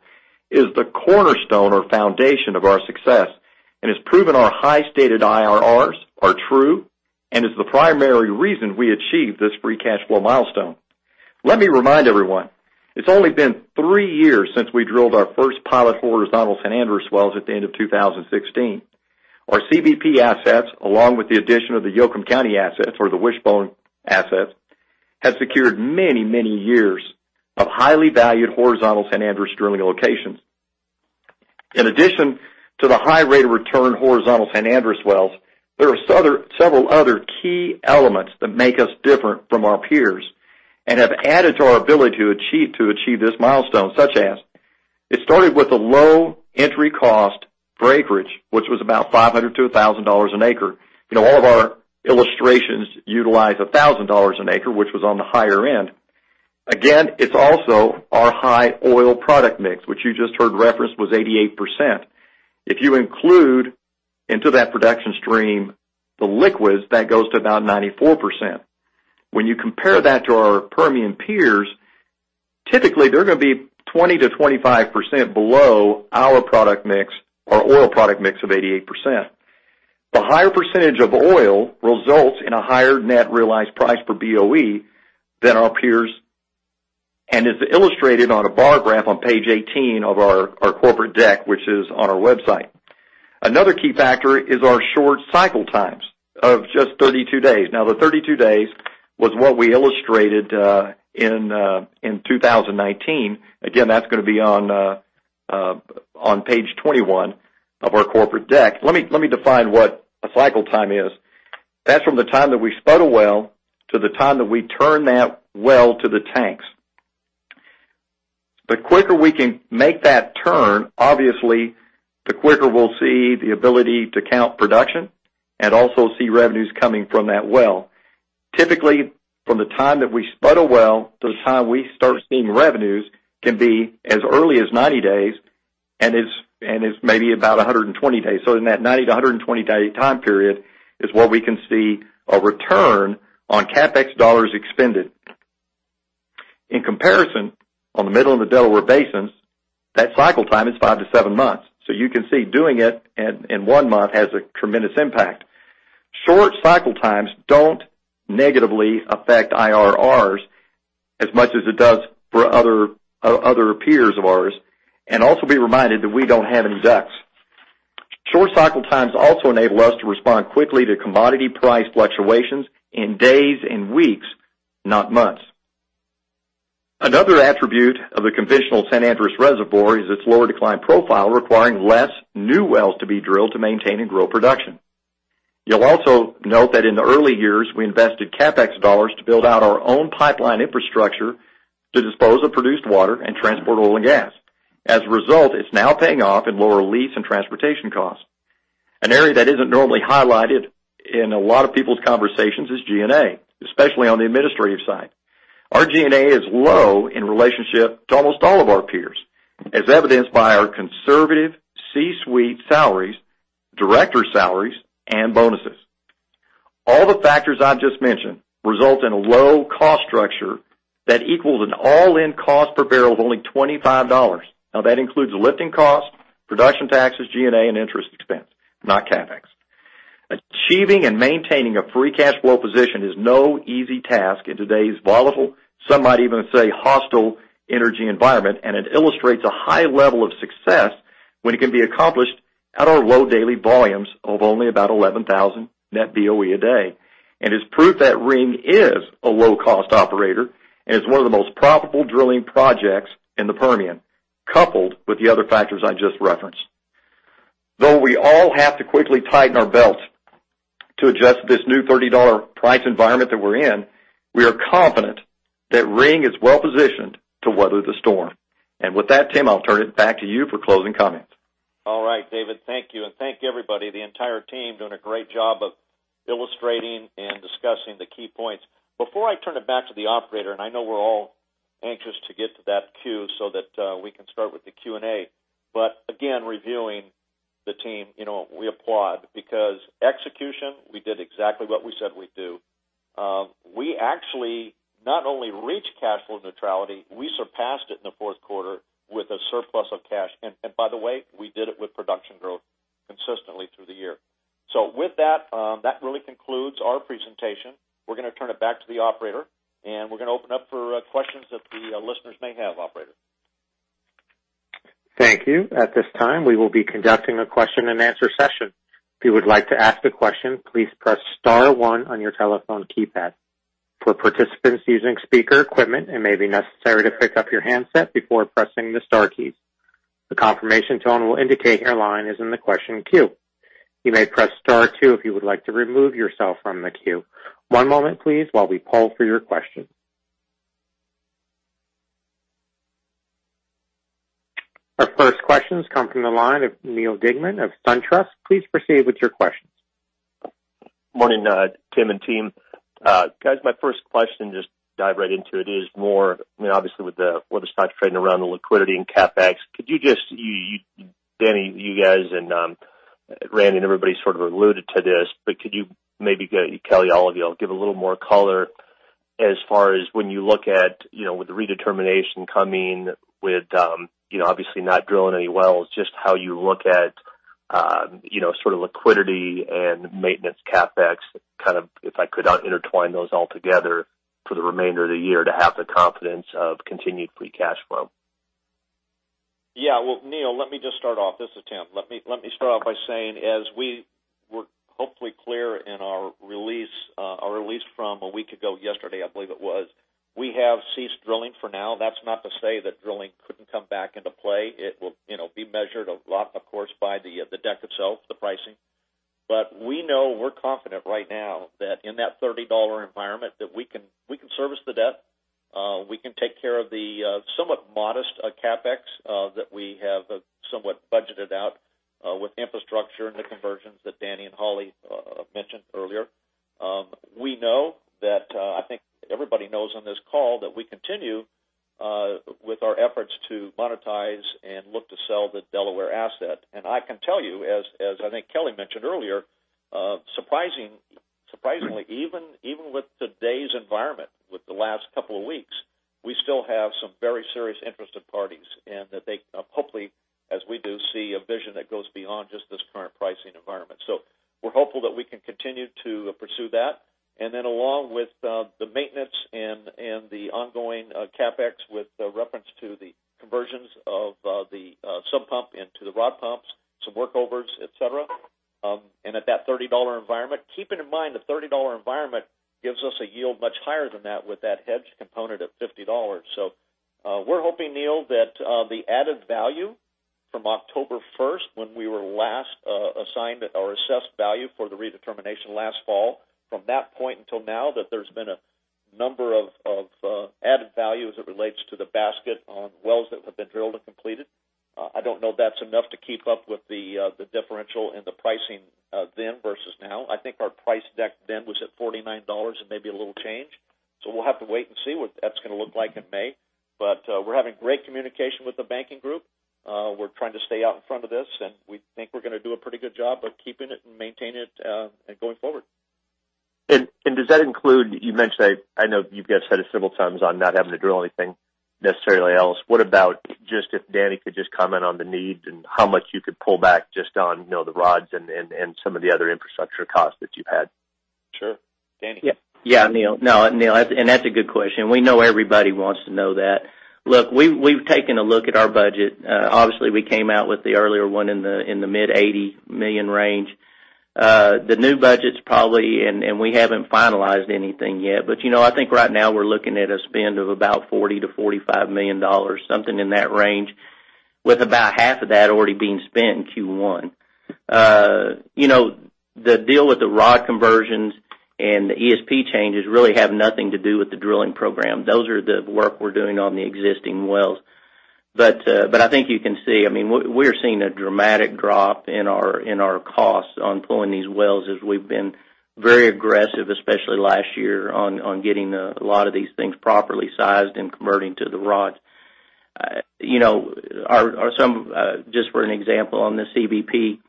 is the cornerstone or foundation of our success and has proven our high stated IRRs are true and is the primary reason we achieved this free cash flow milestone. Let me remind everyone, it's only been three years since we drilled our first pilot horizontal San Andres wells at the end of 2016. Our CBP assets, along with the addition of the Yoakum County assets or the Wishbone assets, have secured many years of highly valued horizontal San Andres drilling locations. In addition to the high rate of return horizontal San Andres wells, there are several other key elements that make us different from our peers and have added to our ability to achieve this milestone. Such as, it started with a low entry cost for acreage, which was about $500-$1,000 an acre. All of our illustrations utilize $1,000 an acre, which was on the higher end. It's also our high oil product mix, which you just heard referenced was 88%. If you include into that production stream the liquids, that goes to about 94%. When you compare that to our Permian peers, typically they're going to be 20%-25% below our product mix or oil product mix of 88%. The higher percentage of oil results in a higher net realized price per BOE than our peers, and is illustrated on a bar graph on page 18 of our corporate deck, which is on our website. Another key factor is our short cycle times of just 32 days. Now, the 32 days was what we illustrated in 2019. Again, that's going to be on page 21 of our corporate deck. Let me define what a cycle time is. That's from the time that we spud a well to the time that we turn that well to the tanks. The quicker we can make that turn, obviously, the quicker we'll see the ability to count production and also see revenues coming from that well. Typically, from the time that we spud a well to the time we start seeing revenues can be as early as 90 days and is maybe about 120 days. In that 90-120 day time period is where we can see a return on CapEx dollars expended. In comparison, on the middle of the Delaware Basin, that cycle time is five to seven months. You can see doing it in one month has a tremendous impact. Short cycle times don't negatively affect IRRs as much as it does for other peers of ours. Also be reminded that we don't have any DUCs. Short cycle times also enable us to respond quickly to commodity price fluctuations in days and weeks, not months. Another attribute of the conventional San Andres is its lower decline profile, requiring less new wells to be drilled to maintain and grow production. You'll also note that in the early years, we invested CapEx dollars to build out our own pipeline infrastructure to dispose of produced water and transport oil and gas. It's now paying off in lower lease and transportation costs. An area that isn't normally highlighted in a lot of people's conversations is G&A, especially on the administrative side. Our G&A is low in relationship to almost all of our peers, as evidenced by our conservative C-suite salaries, director salaries, and bonuses. All the factors I've just mentioned result in a low-cost structure that equals an all-in cost per barrel of only $25. That includes lifting costs, production taxes, G&A, and interest expense, not CapEx. Achieving and maintaining a free cash flow position is no easy task in today's volatile, some might even say hostile, energy environment, and it illustrates a high level of success when it can be accomplished at our low daily volumes of only about 11,000 net BOE a day. It's proof that Ring is a low-cost operator and is one of the most profitable drilling projects in the Permian, coupled with the other factors I just referenced. Though we all have to quickly tighten our belts to adjust to this new $30 price environment that we're in, we are confident that Ring is well-positioned to weather the storm. With that, Tim, I'll turn it back to you for closing comments. All right, David, thank you. Thank you, everybody. The entire team doing a great job of illustrating and discussing the key points. Before I turn it back to the operator, and I know we're all anxious to get to that queue so that we can start with the Q&A. Again, reviewing the team, we applaud because execution, we did exactly what we said we'd do. We actually not only reached cash flow neutrality, we surpassed it in the fourth quarter with a surplus of cash. By the way, we did it with production growth consistently through the year. With that really concludes our presentation. We're going to turn it back to the operator, and we're going to open up for questions that the listeners may have. Operator? Thank you. At this time, we will be conducting a question and answer session. If you would like to ask a question, please press star one on your telephone keypad. For participants using speaker equipment, it may be necessary to pick up your handset before pressing the star key. The confirmation tone will indicate your line is in the question queue. You may press star two if you would like to remove yourself from the queue. One moment, please, while we poll for your question. Our first questions come from the line of Neal Dingmann of SunTrust. Please proceed with your questions. Morning, Tim and team. Guys, my first question, just dive right into it, obviously with the stock trading around the liquidity and CapEx. Danny, you guys, and Randy, and everybody sort of alluded to this, but could you maybe, Kelly, all of you all give a little more color as far as when you look at with the redetermination coming with obviously not drilling any wells, just how you look at sort of liquidity and maintenance CapEx, if I could intertwine those all together for the remainder of the year to have the confidence of continued free cash flow. Yeah. Well, Neal, let me just start off. This is Tim. Let me start off by saying, as we were hopefully clear in our release from a week ago yesterday, I believe it was, we have ceased drilling for now. That's not to say that drilling couldn't come back into play. It will be measured a lot, of course, by the deck itself, the pricing. We know we're confident right now that in that $30 environment, that we can service the debt. We can take care of the somewhat modest CapEx that we have somewhat budgeted out with infrastructure and the conversions that Danny and Hollie mentioned earlier. We know that, I think everybody knows on this call that we continue with our efforts to monetize and look to sell the Delaware asset. I can tell you, as I think Kelly mentioned earlier, surprisingly, even with today's environment, with the last couple of weeks, we still have some very serious interested parties, and that they hopefully, as we do, see a vision that goes beyond just this current pricing environment. We're hopeful that we can continue to pursue that. Along with the maintenance and the ongoing CapEx, with reference to the conversions of the subpump into the rod pumps, some workovers, et cetera, and at that $30 environment. Keeping in mind, the $30 environment gives us a yield much higher than that with that hedge component of $50. We're hoping, Neal, that the added value from October 1st, when we were last assigned our assessed value for the redetermination last fall, from that point until now, that there's been a number of added value as it relates to the basket on wells that have been drilled and completed. I don't know if that's enough to keep up with the differential in the pricing then versus now. I think our price deck then was at $49 and maybe a little change. We'll have to wait and see what that's going to look like in May. We're having great communication with the banking group. We're trying to stay out in front of this, and we think we're going to do a pretty good job of keeping it and maintaining it and going forward. Does that include, you mentioned, I know you guys said it several times on not having to drill anything necessarily else. What about just if Danny could just comment on the needs and how much you could pull back just on the rods and some of the other infrastructure costs that you've had? Sure. Danny? Yeah, Neal. No, Neal, that's a good question. We know everybody wants to know that. Look, we've taken a look at our budget. Obviously, we came out with the earlier one in the mid $80 million range. The new budget's probably, we haven't finalized anything yet, but I think right now we're looking at a spend of about $40 million-$45 million, something in that range, with about half of that already being spent in Q1. The deal with the rod conversions and the ESP changes really have nothing to do with the drilling program. Those are the work we're doing on the existing wells. I think you can see, we're seeing a dramatic drop in our costs on pulling these wells as we've been very aggressive, especially last year, on getting a lot of these things properly sized and converting to the rods. Just for an example, on the CBP,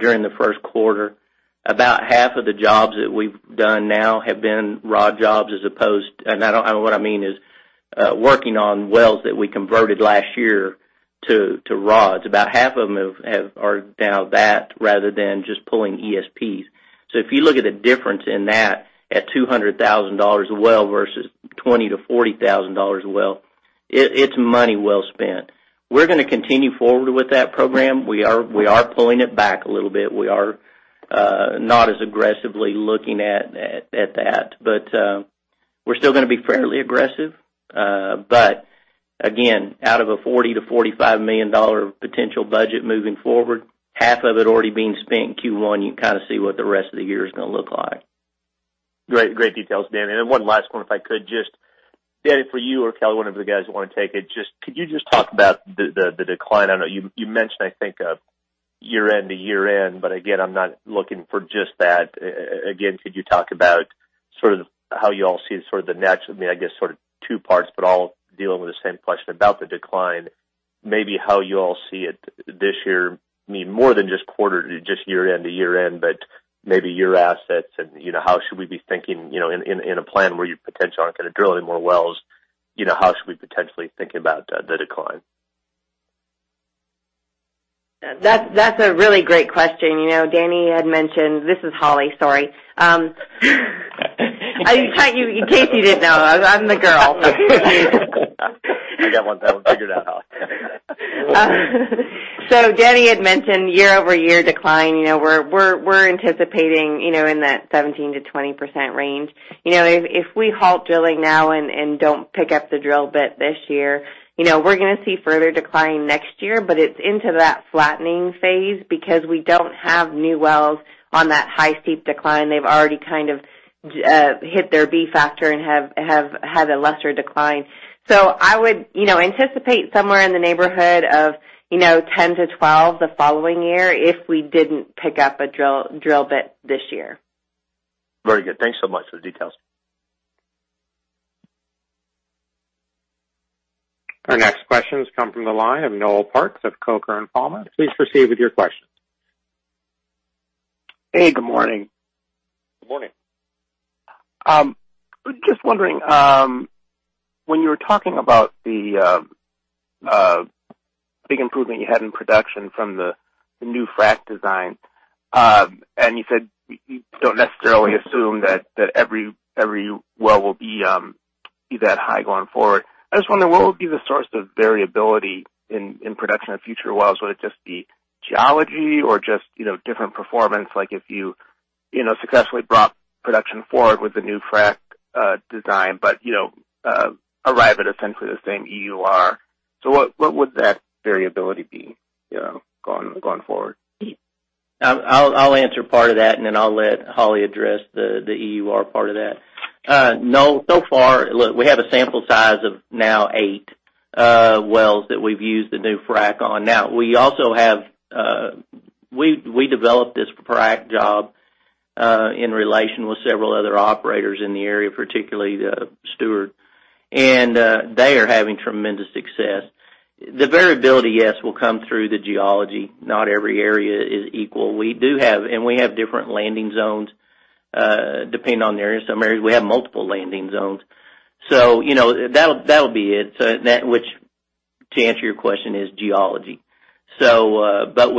during the first quarter, about half of the jobs that we've done now have been rod jobs, and what I mean is working on wells that we converted last year to rods. About half of them are now that rather than just pulling ESPs. If you look at the difference in that at $200,000 a well versus $20,000-$40,000 a well, it's money well spent. We're going to continue forward with that program. We are pulling it back a little bit. We are not as aggressively looking at that, but we're still going to be fairly aggressive. Again, out of a $40 million-$45 million potential budget moving forward, half of it already being spent in Q1, you kind of see what the rest of the year is going to look like. Great details, Danny. One last one if I could just. Danny, for you or Kelly, one of you guys want to take it, could you just talk about the decline? I know you mentioned, I think, year-end to year-end, but again, I'm not looking for just that. Could you talk about sort of how you all see sort of the natural, I guess sort of two parts, but all dealing with the same question about the decline, maybe how you all see it this year, more than just quarter to just year-end to year-end, but maybe your assets and how should we be thinking in a plan where you potentially aren't going to drill any more wells? How should we potentially think about the decline? That's a really great question. Danny had mentioned. This is Hollie, sorry. In case you didn't know, I'm the girl. I got that one figured out, Hollie. Danny had mentioned year-over-year decline. We're anticipating in that 17%-20% range. If we halt drilling now and don't pick up the drill bit this year, we're going to see further decline next year, but it's into that flattening phase because we don't have new wells on that high steep decline. They've already hit their b-factor and have had a lesser decline. I would anticipate somewhere in the neighborhood of 10%-12% the following year if we didn't pick up a drill bit this year. Very good. Thanks so much for the details. Our next questions come from the line of Noel Parks of Coker & Palmer. Please proceed with your questions. Hey, good morning. Good morning. Just wondering, when you were talking about the big improvement you had in production from the new frac design, and you said you don't necessarily assume that every well will be that high going forward. I just wonder what would be the source of variability in production of future wells? Would it just be geology or just different performance, like if you successfully brought production forward with the new frac design, but arrive at essentially the same EUR? What would that variability be going forward? I'll answer part of that, and then I'll let Hollie address the EUR part of that. Noel, so far, look, we have a sample size of now eight wells that we've used the new frac on. We developed this frac job in relation with several other operators in the area, particularly Steward, and they are having tremendous success. The variability, yes, will come through the geology. Not every area is equal. We do have different landing zones depending on the area. In some areas, we have multiple landing zones. That'll be it. That, which to answer your question, is geology. We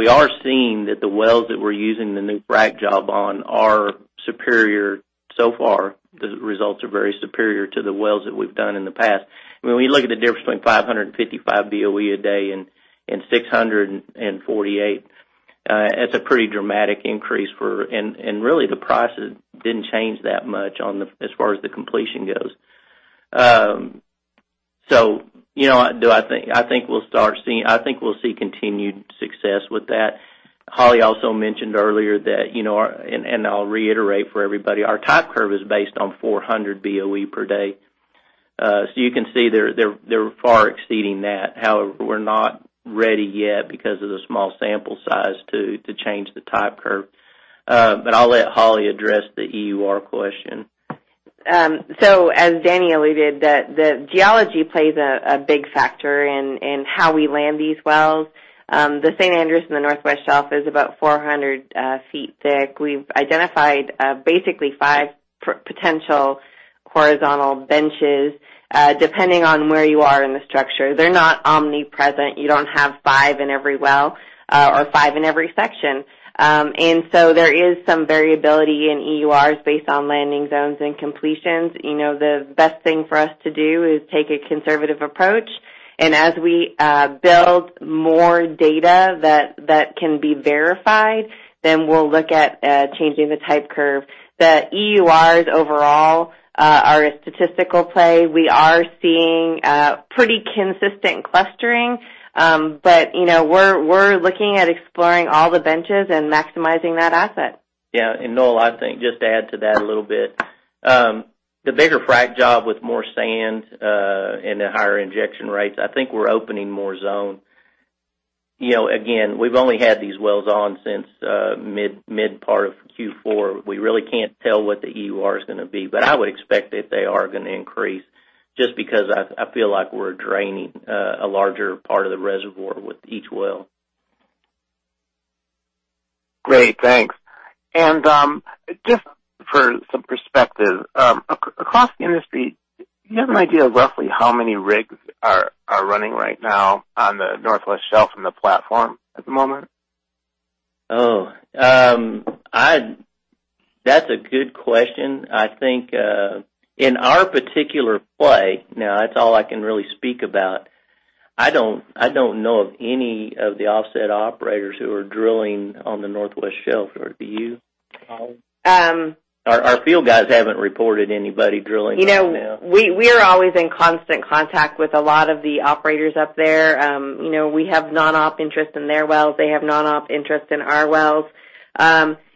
are seeing that the wells that we're using the new frac job on are superior so far. The results are very superior to the wells that we've done in the past. When we look at the difference between 555 boepd and 648 boepd, that's a pretty dramatic increase, and really the prices didn't change that much as far as the completion goes. I think we'll see continued success with that. Hollie also mentioned earlier that, and I'll reiterate for everybody, our type curve is based on 400 boepd. You can see they're far exceeding that. However, we're not ready yet because of the small sample size to change the type curve. I'll let Hollie address the EUR question. As Danny alluded, the geology plays a big factor in how we land these wells. The San Andres and the Northwest Shelf is about 400 ft thick. We've identified basically five potential horizontal benches depending on where you are in the structure. They're not omnipresent. You don't have five in every well or five in every section. There is some variability in EURs based on landing zones and completions. The best thing for us to do is take a conservative approach, and as we build more data that can be verified, then we'll look at changing the type curve. The EURs overall are a statistical play. We are seeing pretty consistent clustering, but we're looking at exploring all the benches and maximizing that asset. Yeah. Noel, I think just to add to that a little bit. The bigger frac job with more sand and the higher injection rates, I think we're opening more zone. Again, we've only had these wells on since mid-part of Q4. We really can't tell what the EUR is going to be, but I would expect that they are going to increase just because I feel like we're draining a larger part of the reservoir with each well. Great, thanks. Just for some perspective, across the industry, do you have an idea of roughly how many rigs are running right now on the Northwest Shelf and the Platform at the moment? That's a good question. I think in our particular play, now that's all I can really speak about, I don't know of any of the offset operators who are drilling on the Northwest Shelf. Or do you, Hollie? Our field guys haven't reported anybody drilling right now. We are always in constant contact with a lot of the operators up there. We have non-op interest in their wells. They have non-op interest in our wells.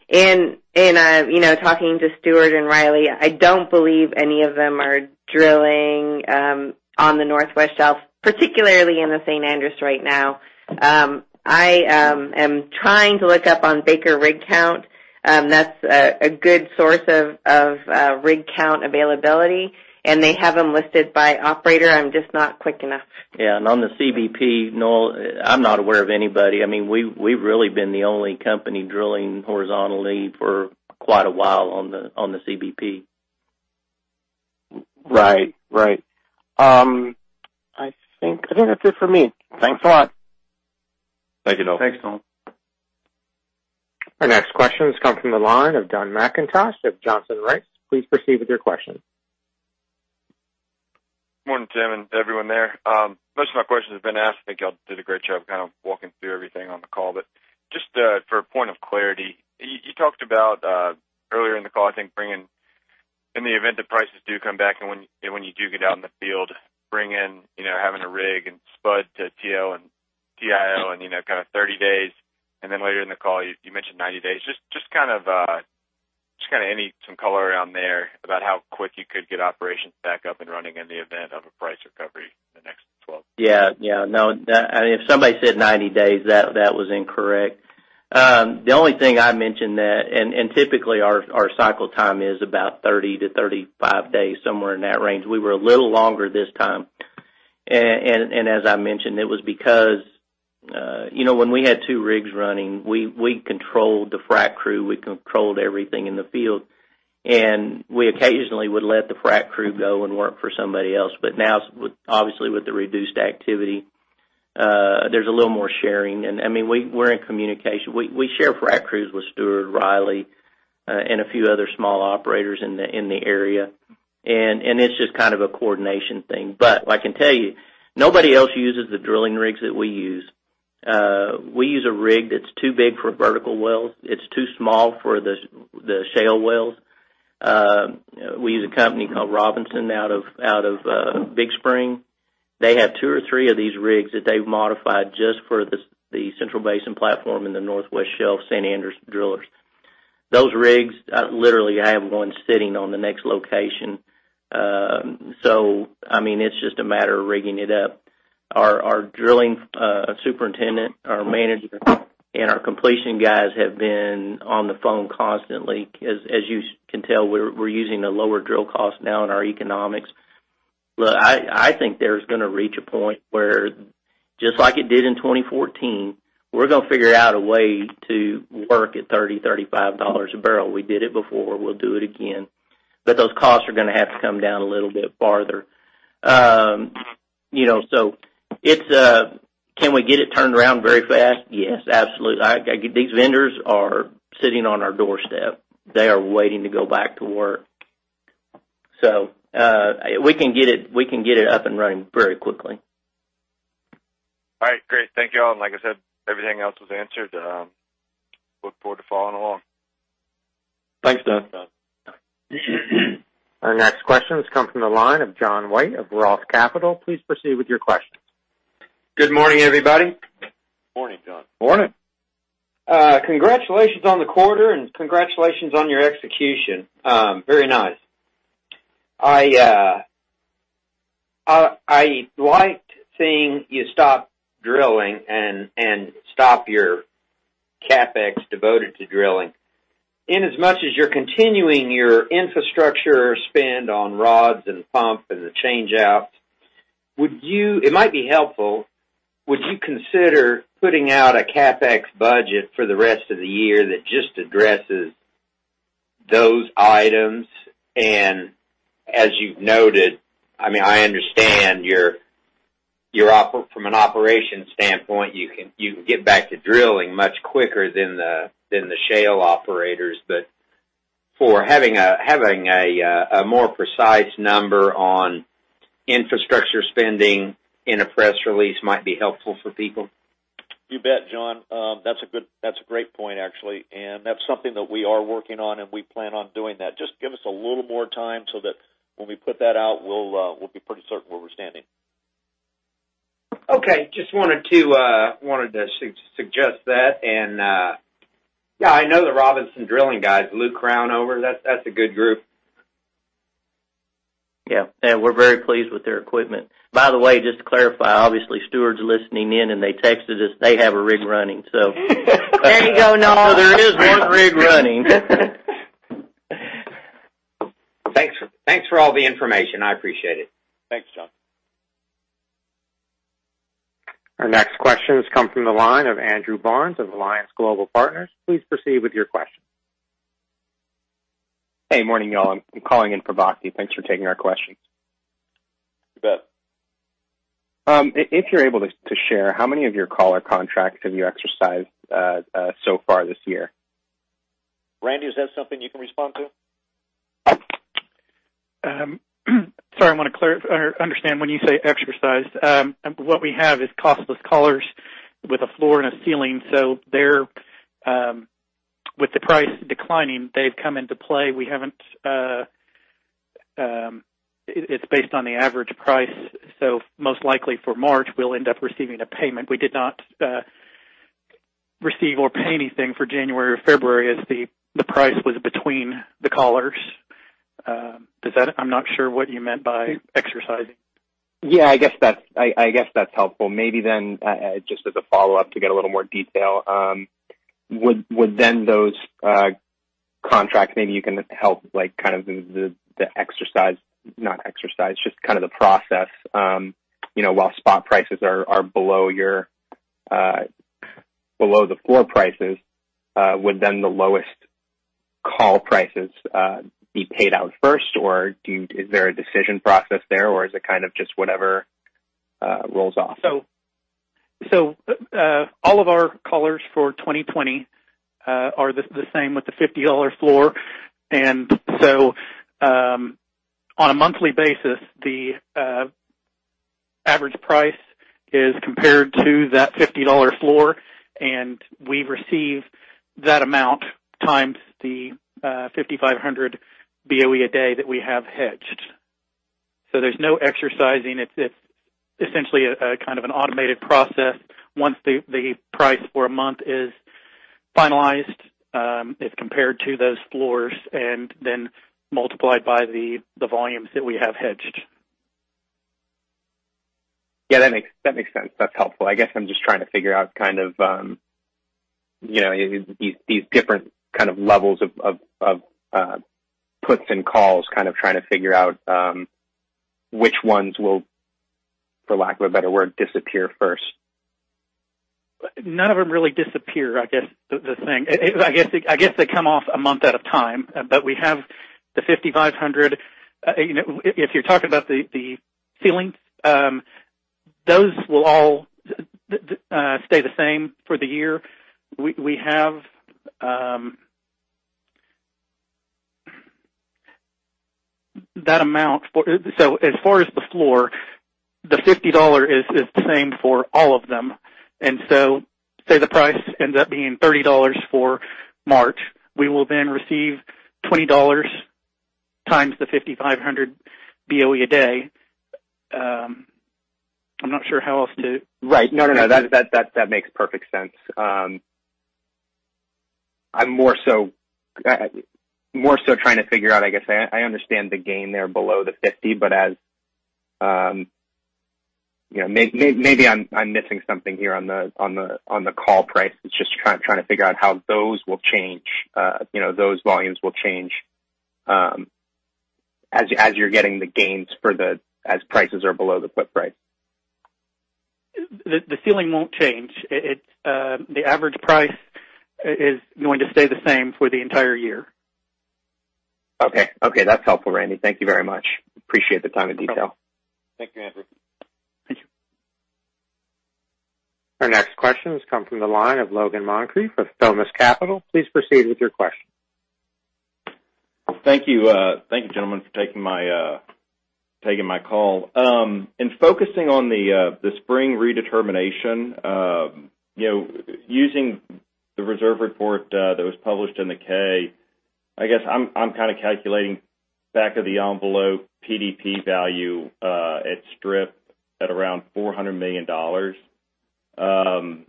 In talking to Steward and Riley, I don't believe any of them are drilling on the Northwest Shelf, particularly in the San Andres right now. I am trying to look up on Baker Hughes Rig Count. That's a good source of rig count availability, and they have them listed by operator. I'm just not quick enough. Yeah. On the CBP, Noel, I'm not aware of anybody. We've really been the only company drilling horizontally for quite a while on the CBP. Right. I think that's it for me. Thanks a lot. Thank you, Noel. Thanks, Noel. Our next question has come from the line of Don McIntosh of Johnson Rice. Please proceed with your question. Morning, Tim, and everyone there. Most of my questions have been asked. I think y'all did a great job of walking through everything on the call, but just for a point of clarity, you talked about, earlier in the call, I think, in the event that prices do come back and when you do get out in the field, having a rig and spud to TD in 30 days. Later in the call, you mentioned 90 days. Just any color around there about how quick you could get operations back up and running in the event of a price recovery in the next 12? Yeah. No, if somebody said 90 days, that was incorrect. The only thing I mentioned that, and typically our cycle time is about 30 days-35 days, somewhere in that range. We were a little longer this time. As I mentioned, it was because when we had two rigs running, we controlled the frac crew, we controlled everything in the field, and we occasionally would let the frac crew go and work for somebody else. Now, obviously with the reduced activity, there's a little more sharing. We're in communication. We share frac crews with Steward, Riley, and a few other small operators in the area, and it's just a coordination thing. I can tell you, nobody else uses the drilling rigs that we use. We use a rig that's too big for vertical wells. It's too small for the shale wells. We use a company called Robinson out of Big Spring. They have two or three of these rigs that they've modified just for the Central Basin Platform and the Northwest Shelf, San Andres drillers. Those rigs, literally, I have one sitting on the next location. It's just a matter of rigging it up. Our drilling superintendent, our manager, and our completion guys have been on the phone constantly. As you can tell, we're using the lower drill cost now in our economics. Look, I think they're going to reach a point where, just like it did in 2014, we're going to figure out a way to work at $30, $35 a barrel. We did it before. We'll do it again. Those costs are going to have to come down a little bit farther. Can we get it turned around very fast? Yes, absolutely. These vendors are sitting on our doorstep. They are waiting to go back to work. We can get it up and running very quickly. All right. Great. Thank you all, and like I said, everything else was answered. Look forward to following along. Thanks, Don. Our next question has come from the line of John White of ROTH Capital Partners. Please proceed with your questions. Good morning, everybody. Morning, John. Morning. Congratulations on the quarter. Congratulations on your execution. Very nice. I liked seeing you stop drilling and stop your CapEx devoted to drilling. Inasmuch as you're continuing your infrastructure spend on rods and pump and the change-outs, it might be helpful, would you consider putting out a CapEx budget for the rest of the year that just addresses those items? As you've noted, I understand from an operations standpoint, you can get back to drilling much quicker than the shale operators, but having a more precise number on infrastructure spending in a press release might be helpful for people. You bet, John. That's a great point, actually, and that's something that we are working on, and we plan on doing that. Just give us a little more time so that when we put that out, we'll be pretty certain where we're standing. Okay. Just wanted to suggest that. Yeah, I know the Robinson Drilling guys, Lou Crownover, that's a good group. Yeah. We're very pleased with their equipment. By the way, just to clarify, obviously Steward's listening in, and they texted us they have a rig running. There you go, Noel. There is one rig running. Thanks for all the information. I appreciate it. Thanks, John. Our next question has come from the line of Andrew Barnes of Alliance Global Partners. Please proceed with your question. Hey, morning, y'all. I'm calling in for Bakke. Thanks for taking our questions. You bet. If you're able to share, how many of your collar contracts have you exercised so far this year? Randy, is that something you can respond to? Sorry, I want to understand when you say exercised. What we have is cost plus collars with a floor and a ceiling. With the price declining, they've come into play. It's based on the average price. Most likely for March, we'll end up receiving a payment. We did not receive or pay anything for January or February as the price was between the collars. I'm not sure what you meant by exercising. Yeah, I guess that's helpful. Maybe, just as a follow-up to get a little more detail, would then those contracts, maybe you can help, the exercise, not exercise, just the process, while spot prices are Below the floor prices, would then the lowest call prices be paid out first, or is there a decision process there, or is it just whatever rolls off? All of our collars for 2020 are the same with the $50 floor. On a monthly basis, the average price is compared to that $50 floor, and we receive that amount times the 5,500 boepd that we have hedged. There's no exercising. It's essentially a kind of an automated process. Once the price for a month is finalized, it's compared to those floors and then multiplied by the volumes that we have hedged. Yeah, that makes sense. That's helpful. I guess I'm just trying to figure out these different kind of levels of puts and calls, trying to figure out which ones will, for lack of a better word, disappear first. None of them really disappear. I guess they come off a month at a time, but we have the 5,500 boepd. If you're talking about the ceiling, those will all stay the same for the year. We have that amount for. So, as far as the floor, the $50 is the same for all of them. Say the price ends up being $30 for March, we will then receive $20x the 5,500boepd. Right. No, that makes perfect sense. I'm more so trying to figure out, I guess, I understand the gain there below the $50, but as Maybe I'm missing something here on the call price. It's just trying to figure out how those will change, those volumes will change as you're getting the gains as prices are below the put price. The ceiling won't change. The average price is going to stay the same for the entire year. Okay. That's helpful, Randy. Thank you very much. Appreciate the time and detail. No problem. Thank you, Andrew. Thank you. Our next question has come from the line of Logan Moncrief with Thomist Capital. Please proceed with your question. Thank you. Thank you, gentlemen, for taking my call. In focusing on the spring redetermination, using the reserve report that was published in the 10-K, I guess I'm kind of calculating back of the envelope PDP value at strip at around $400 million. The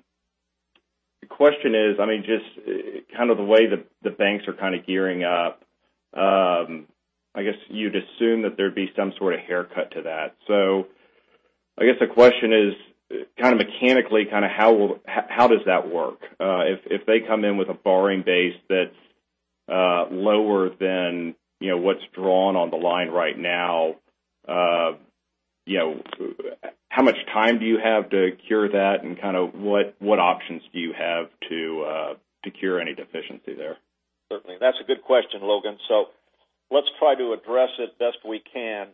question is, just kind of the way the banks are kind of gearing up, I guess you'd assume that there'd be some sort of haircut to that. I guess the question is mechanically, how does that work? If they come in with a borrowing base that's lower than what's drawn on the line right now, how much time do you have to cure that, and what options do you have to cure any deficiency there? Certainly. That's a good question, Logan. Let's try to address it best we can.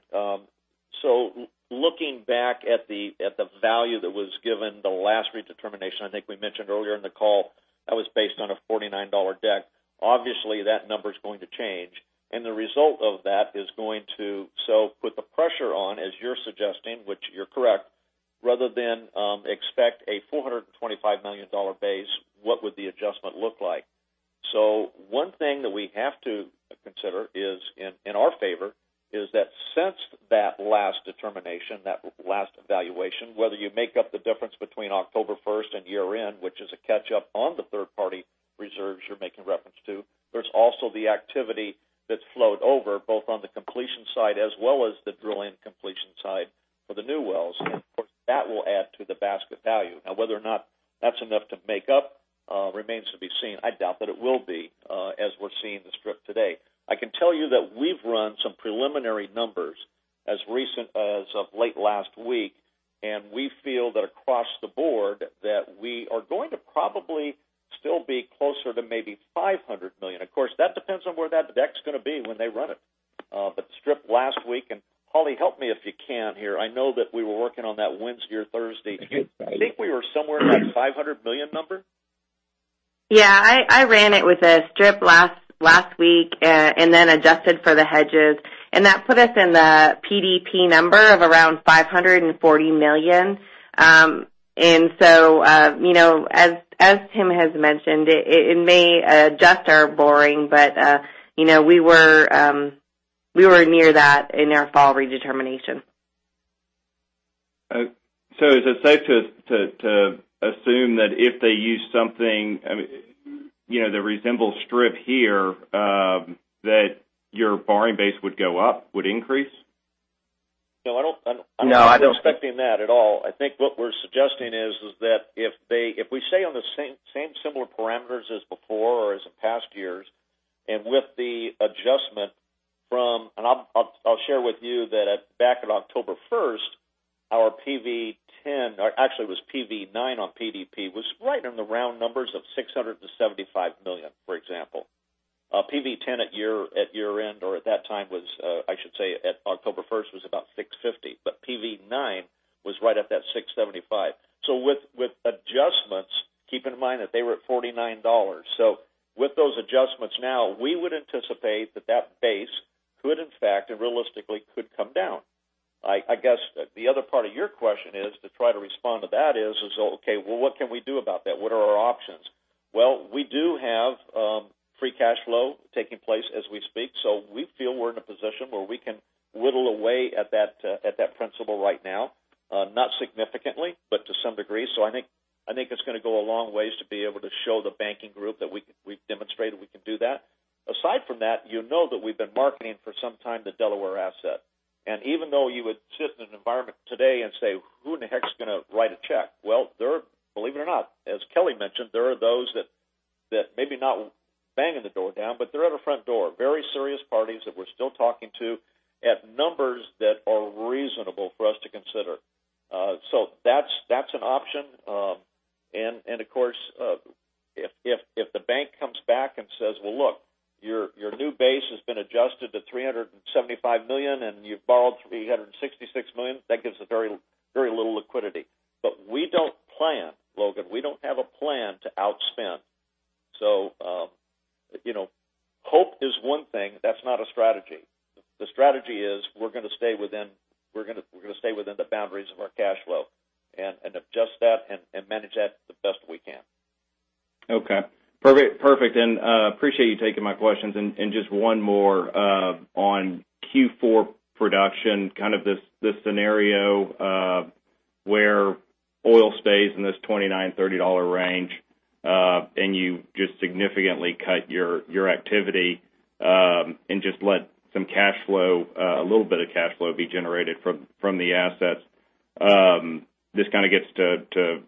Looking back at the value that was given the last redetermination, I think we mentioned earlier in the call, that was based on a $49 deck. Obviously, that number's going to change, and the result of that is going to so put the pressure on, as you're suggesting, which you're correct, rather than expect a $425 million base, what would the adjustment look like? One thing that we have to consider is in our favor is that since that last determination, that last evaluation, whether you make up the difference between October 1st and year-end, which is a catch up on the third-party reserves you're making reference to, there's also the activity that's flowed over both on the completion side as well as the drill and completion side for the new wells. Of course, that will add to the basket value. Now, whether or not that's enough to make up remains to be seen. I doubt that it will be as we're seeing the strip today. I can tell you that we've run some preliminary numbers as recent as of late last week, and we feel that across the board that we are going to probably still be closer to maybe $500 million. Of course, that depends on where that deck's going to be when they run it. Strip last week, and Hollie, help me if you can here. I know that we were working on that Wednesday or Thursday. Do you think we were somewhere in that $500 million number? Yeah, I ran it with a strip last week, and then adjusted for the hedges, and that put us in the PDP number of around $540 million. As Tim has mentioned, it may adjust our borrowing, but we were near that in our fall redetermination. Is it safe to assume that if they use something that resembles strip here, that your borrowing base would go up, would increase? No, I don't-. No, I don't. I'm not expecting that at all. I think what we're suggesting is that if we stay on the same similar parameters as before or as in past years, and with the adjustment. I'll share with you that back in October 1st, our PV-10, actually it was PV-9 on PDP, was right in the round numbers of $675 million, for example. PV-10 at year-end or at that time was, I should say at October 1st, was about $650. PV-9 was right at that $675. With adjustments, keep in mind that they were at $49. With those adjustments now, we would anticipate that that base could in fact, and realistically could come down. I guess the other part of your question is to try to respond to that is, okay, well, what can we do about that? What are our options? We do have free cash flow taking place as we speak, so we feel we're in a position where we can whittle away at that principal right now. Not significantly, but to some degree. I think it's going to go a long way to be able to show the banking group that we've demonstrated we can do that. Aside from that, you know that we've been marketing for some time the Delaware asset. Even though you would sit in an environment today and say, "Who in the heck is going to write a check?" Well, believe it or not, as Kelly mentioned, there are those that maybe not banging the door down, but they're at our front door. Very serious parties that we're still talking to at numbers that are reasonable for us to consider. That's an option. Of course, if the bank comes back and says, "Well, look, your new base has been adjusted to $375 million and you've borrowed $366 million," that gives very little liquidity. We don't plan, Logan, we don't have a plan to outspend. Hope is one thing. That's not a strategy. The strategy is we're going to stay within the boundaries of our cash flow and adjust that and manage that the best we can. Okay. Perfect, appreciate you taking my questions. Just one more on Q4 production, kind of this scenario where oil stays in this $29, $30 range, and you just significantly cut your activity, and just let a little bit of cash flow be generated from the assets. This kind of gets to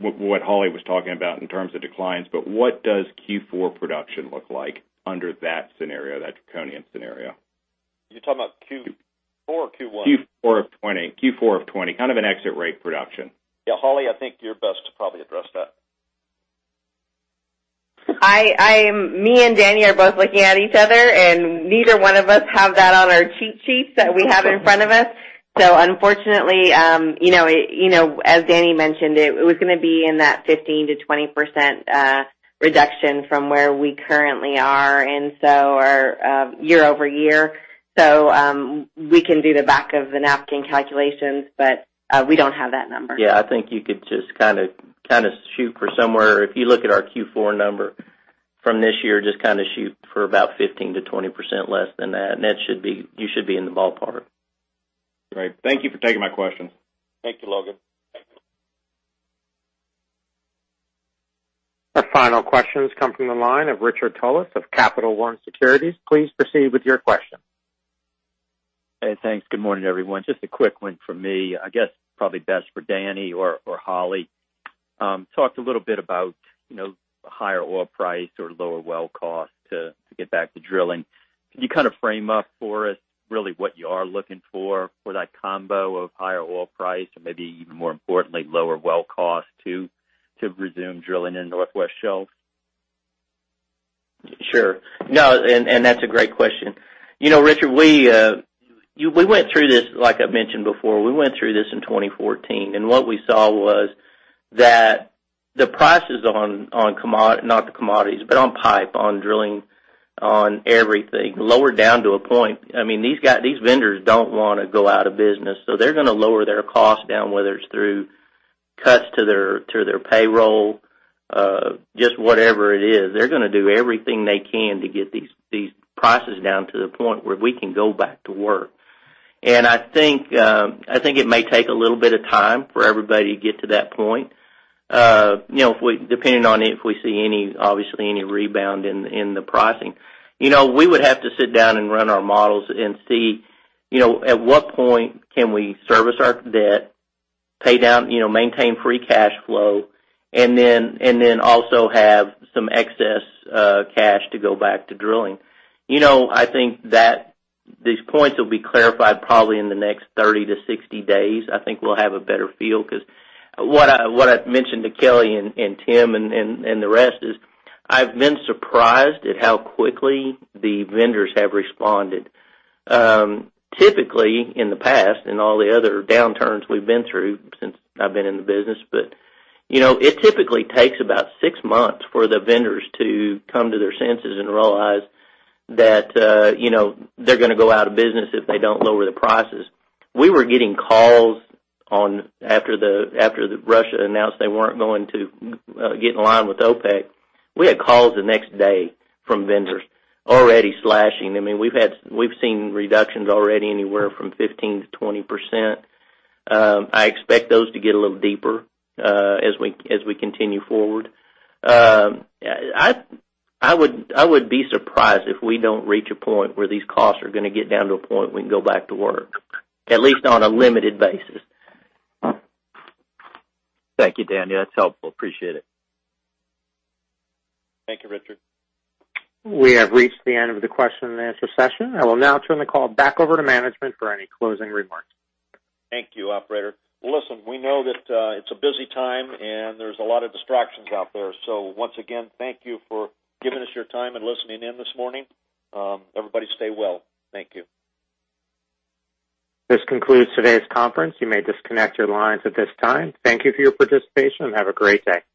what Hollie was talking about in terms of declines, but what does Q4 production look like under that scenario, that Draconian scenario? You're talking about Q4 or Q1? Q4 of 2020. Kind of an exit rate production. Yeah, Hollie, I think you're best to probably address that. Me and Danny are both looking at each other, and neither one of us have that on our cheat sheets that we have in front of us. Unfortunately, as Danny mentioned, it was going to be in that 15%-20% reduction from where we currently are and so our year-over-year. We can do the back of the napkin calculations, but we don't have that number. Yeah, I think you could just kind of shoot for somewhere. If you look at our Q4 number from this year, just shoot for about 15%-20% less than that, and you should be in the ballpark. Great. Thank you for taking my question. Thank you, Logan. Our final questions come from the line of Richard Tullis of Capital One Securities. Please proceed with your question. Hey, thanks. Good morning, everyone. Just a quick one from me, I guess probably best for Danny or Hollie. Talked a little bit about higher oil price or lower well cost to get back to drilling. Can you frame up for us really what you are looking for that combo of higher oil price and maybe even more importantly, lower well cost to resume drilling in Northwest Shelf? Sure. No, that's a great question. Richard, like I mentioned before, we went through this in 2014, what we saw was that the prices on pipe, on drilling, on everything lowered down to a point. These vendors don't want to go out of business, so they're going to lower their cost down, whether it's through cuts to their payroll, just whatever it is. They're going to do everything they can to get these prices down to the point where we can go back to work. I think it may take a little bit of time for everybody to get to that point, depending on if we see, obviously, any rebound in the pricing. We would have to sit down and run our models and see at what point can we service our debt, maintain free cash flow, and then also have some excess cash to go back to drilling. I think that these points will be clarified probably in the next 30 days-60 days. I think we'll have a better feel because what I've mentioned to Kelly and Tim and the rest is I've been surprised at how quickly the vendors have responded. Typically, in the past, in all the other downturns we've been through since I've been in the business, it typically takes about six months for the vendors to come to their senses and realize that they're going to go out of business if they don't lower the prices. We were getting calls after Russia announced they weren't going to get in line with OPEC. We had calls the next day from vendors already slashing. We've seen reductions already anywhere from 15%-20%. I expect those to get a little deeper as we continue forward. I would be surprised if we don't reach a point where these costs are going to get down to a point we can go back to work, at least on a limited basis. Thank you, Danny. That's helpful. Appreciate it. Thank you, Richard. We have reached the end of the question-and-answer session. I will now turn the call back over to management for any closing remarks. Thank you, operator. Listen, we know that it's a busy time and there's a lot of distractions out there. Once again, thank you for giving us your time and listening in this morning. Everybody stay well. Thank you. This concludes today's conference. You may disconnect your lines at this time. Thank you for your participation, and have a great day.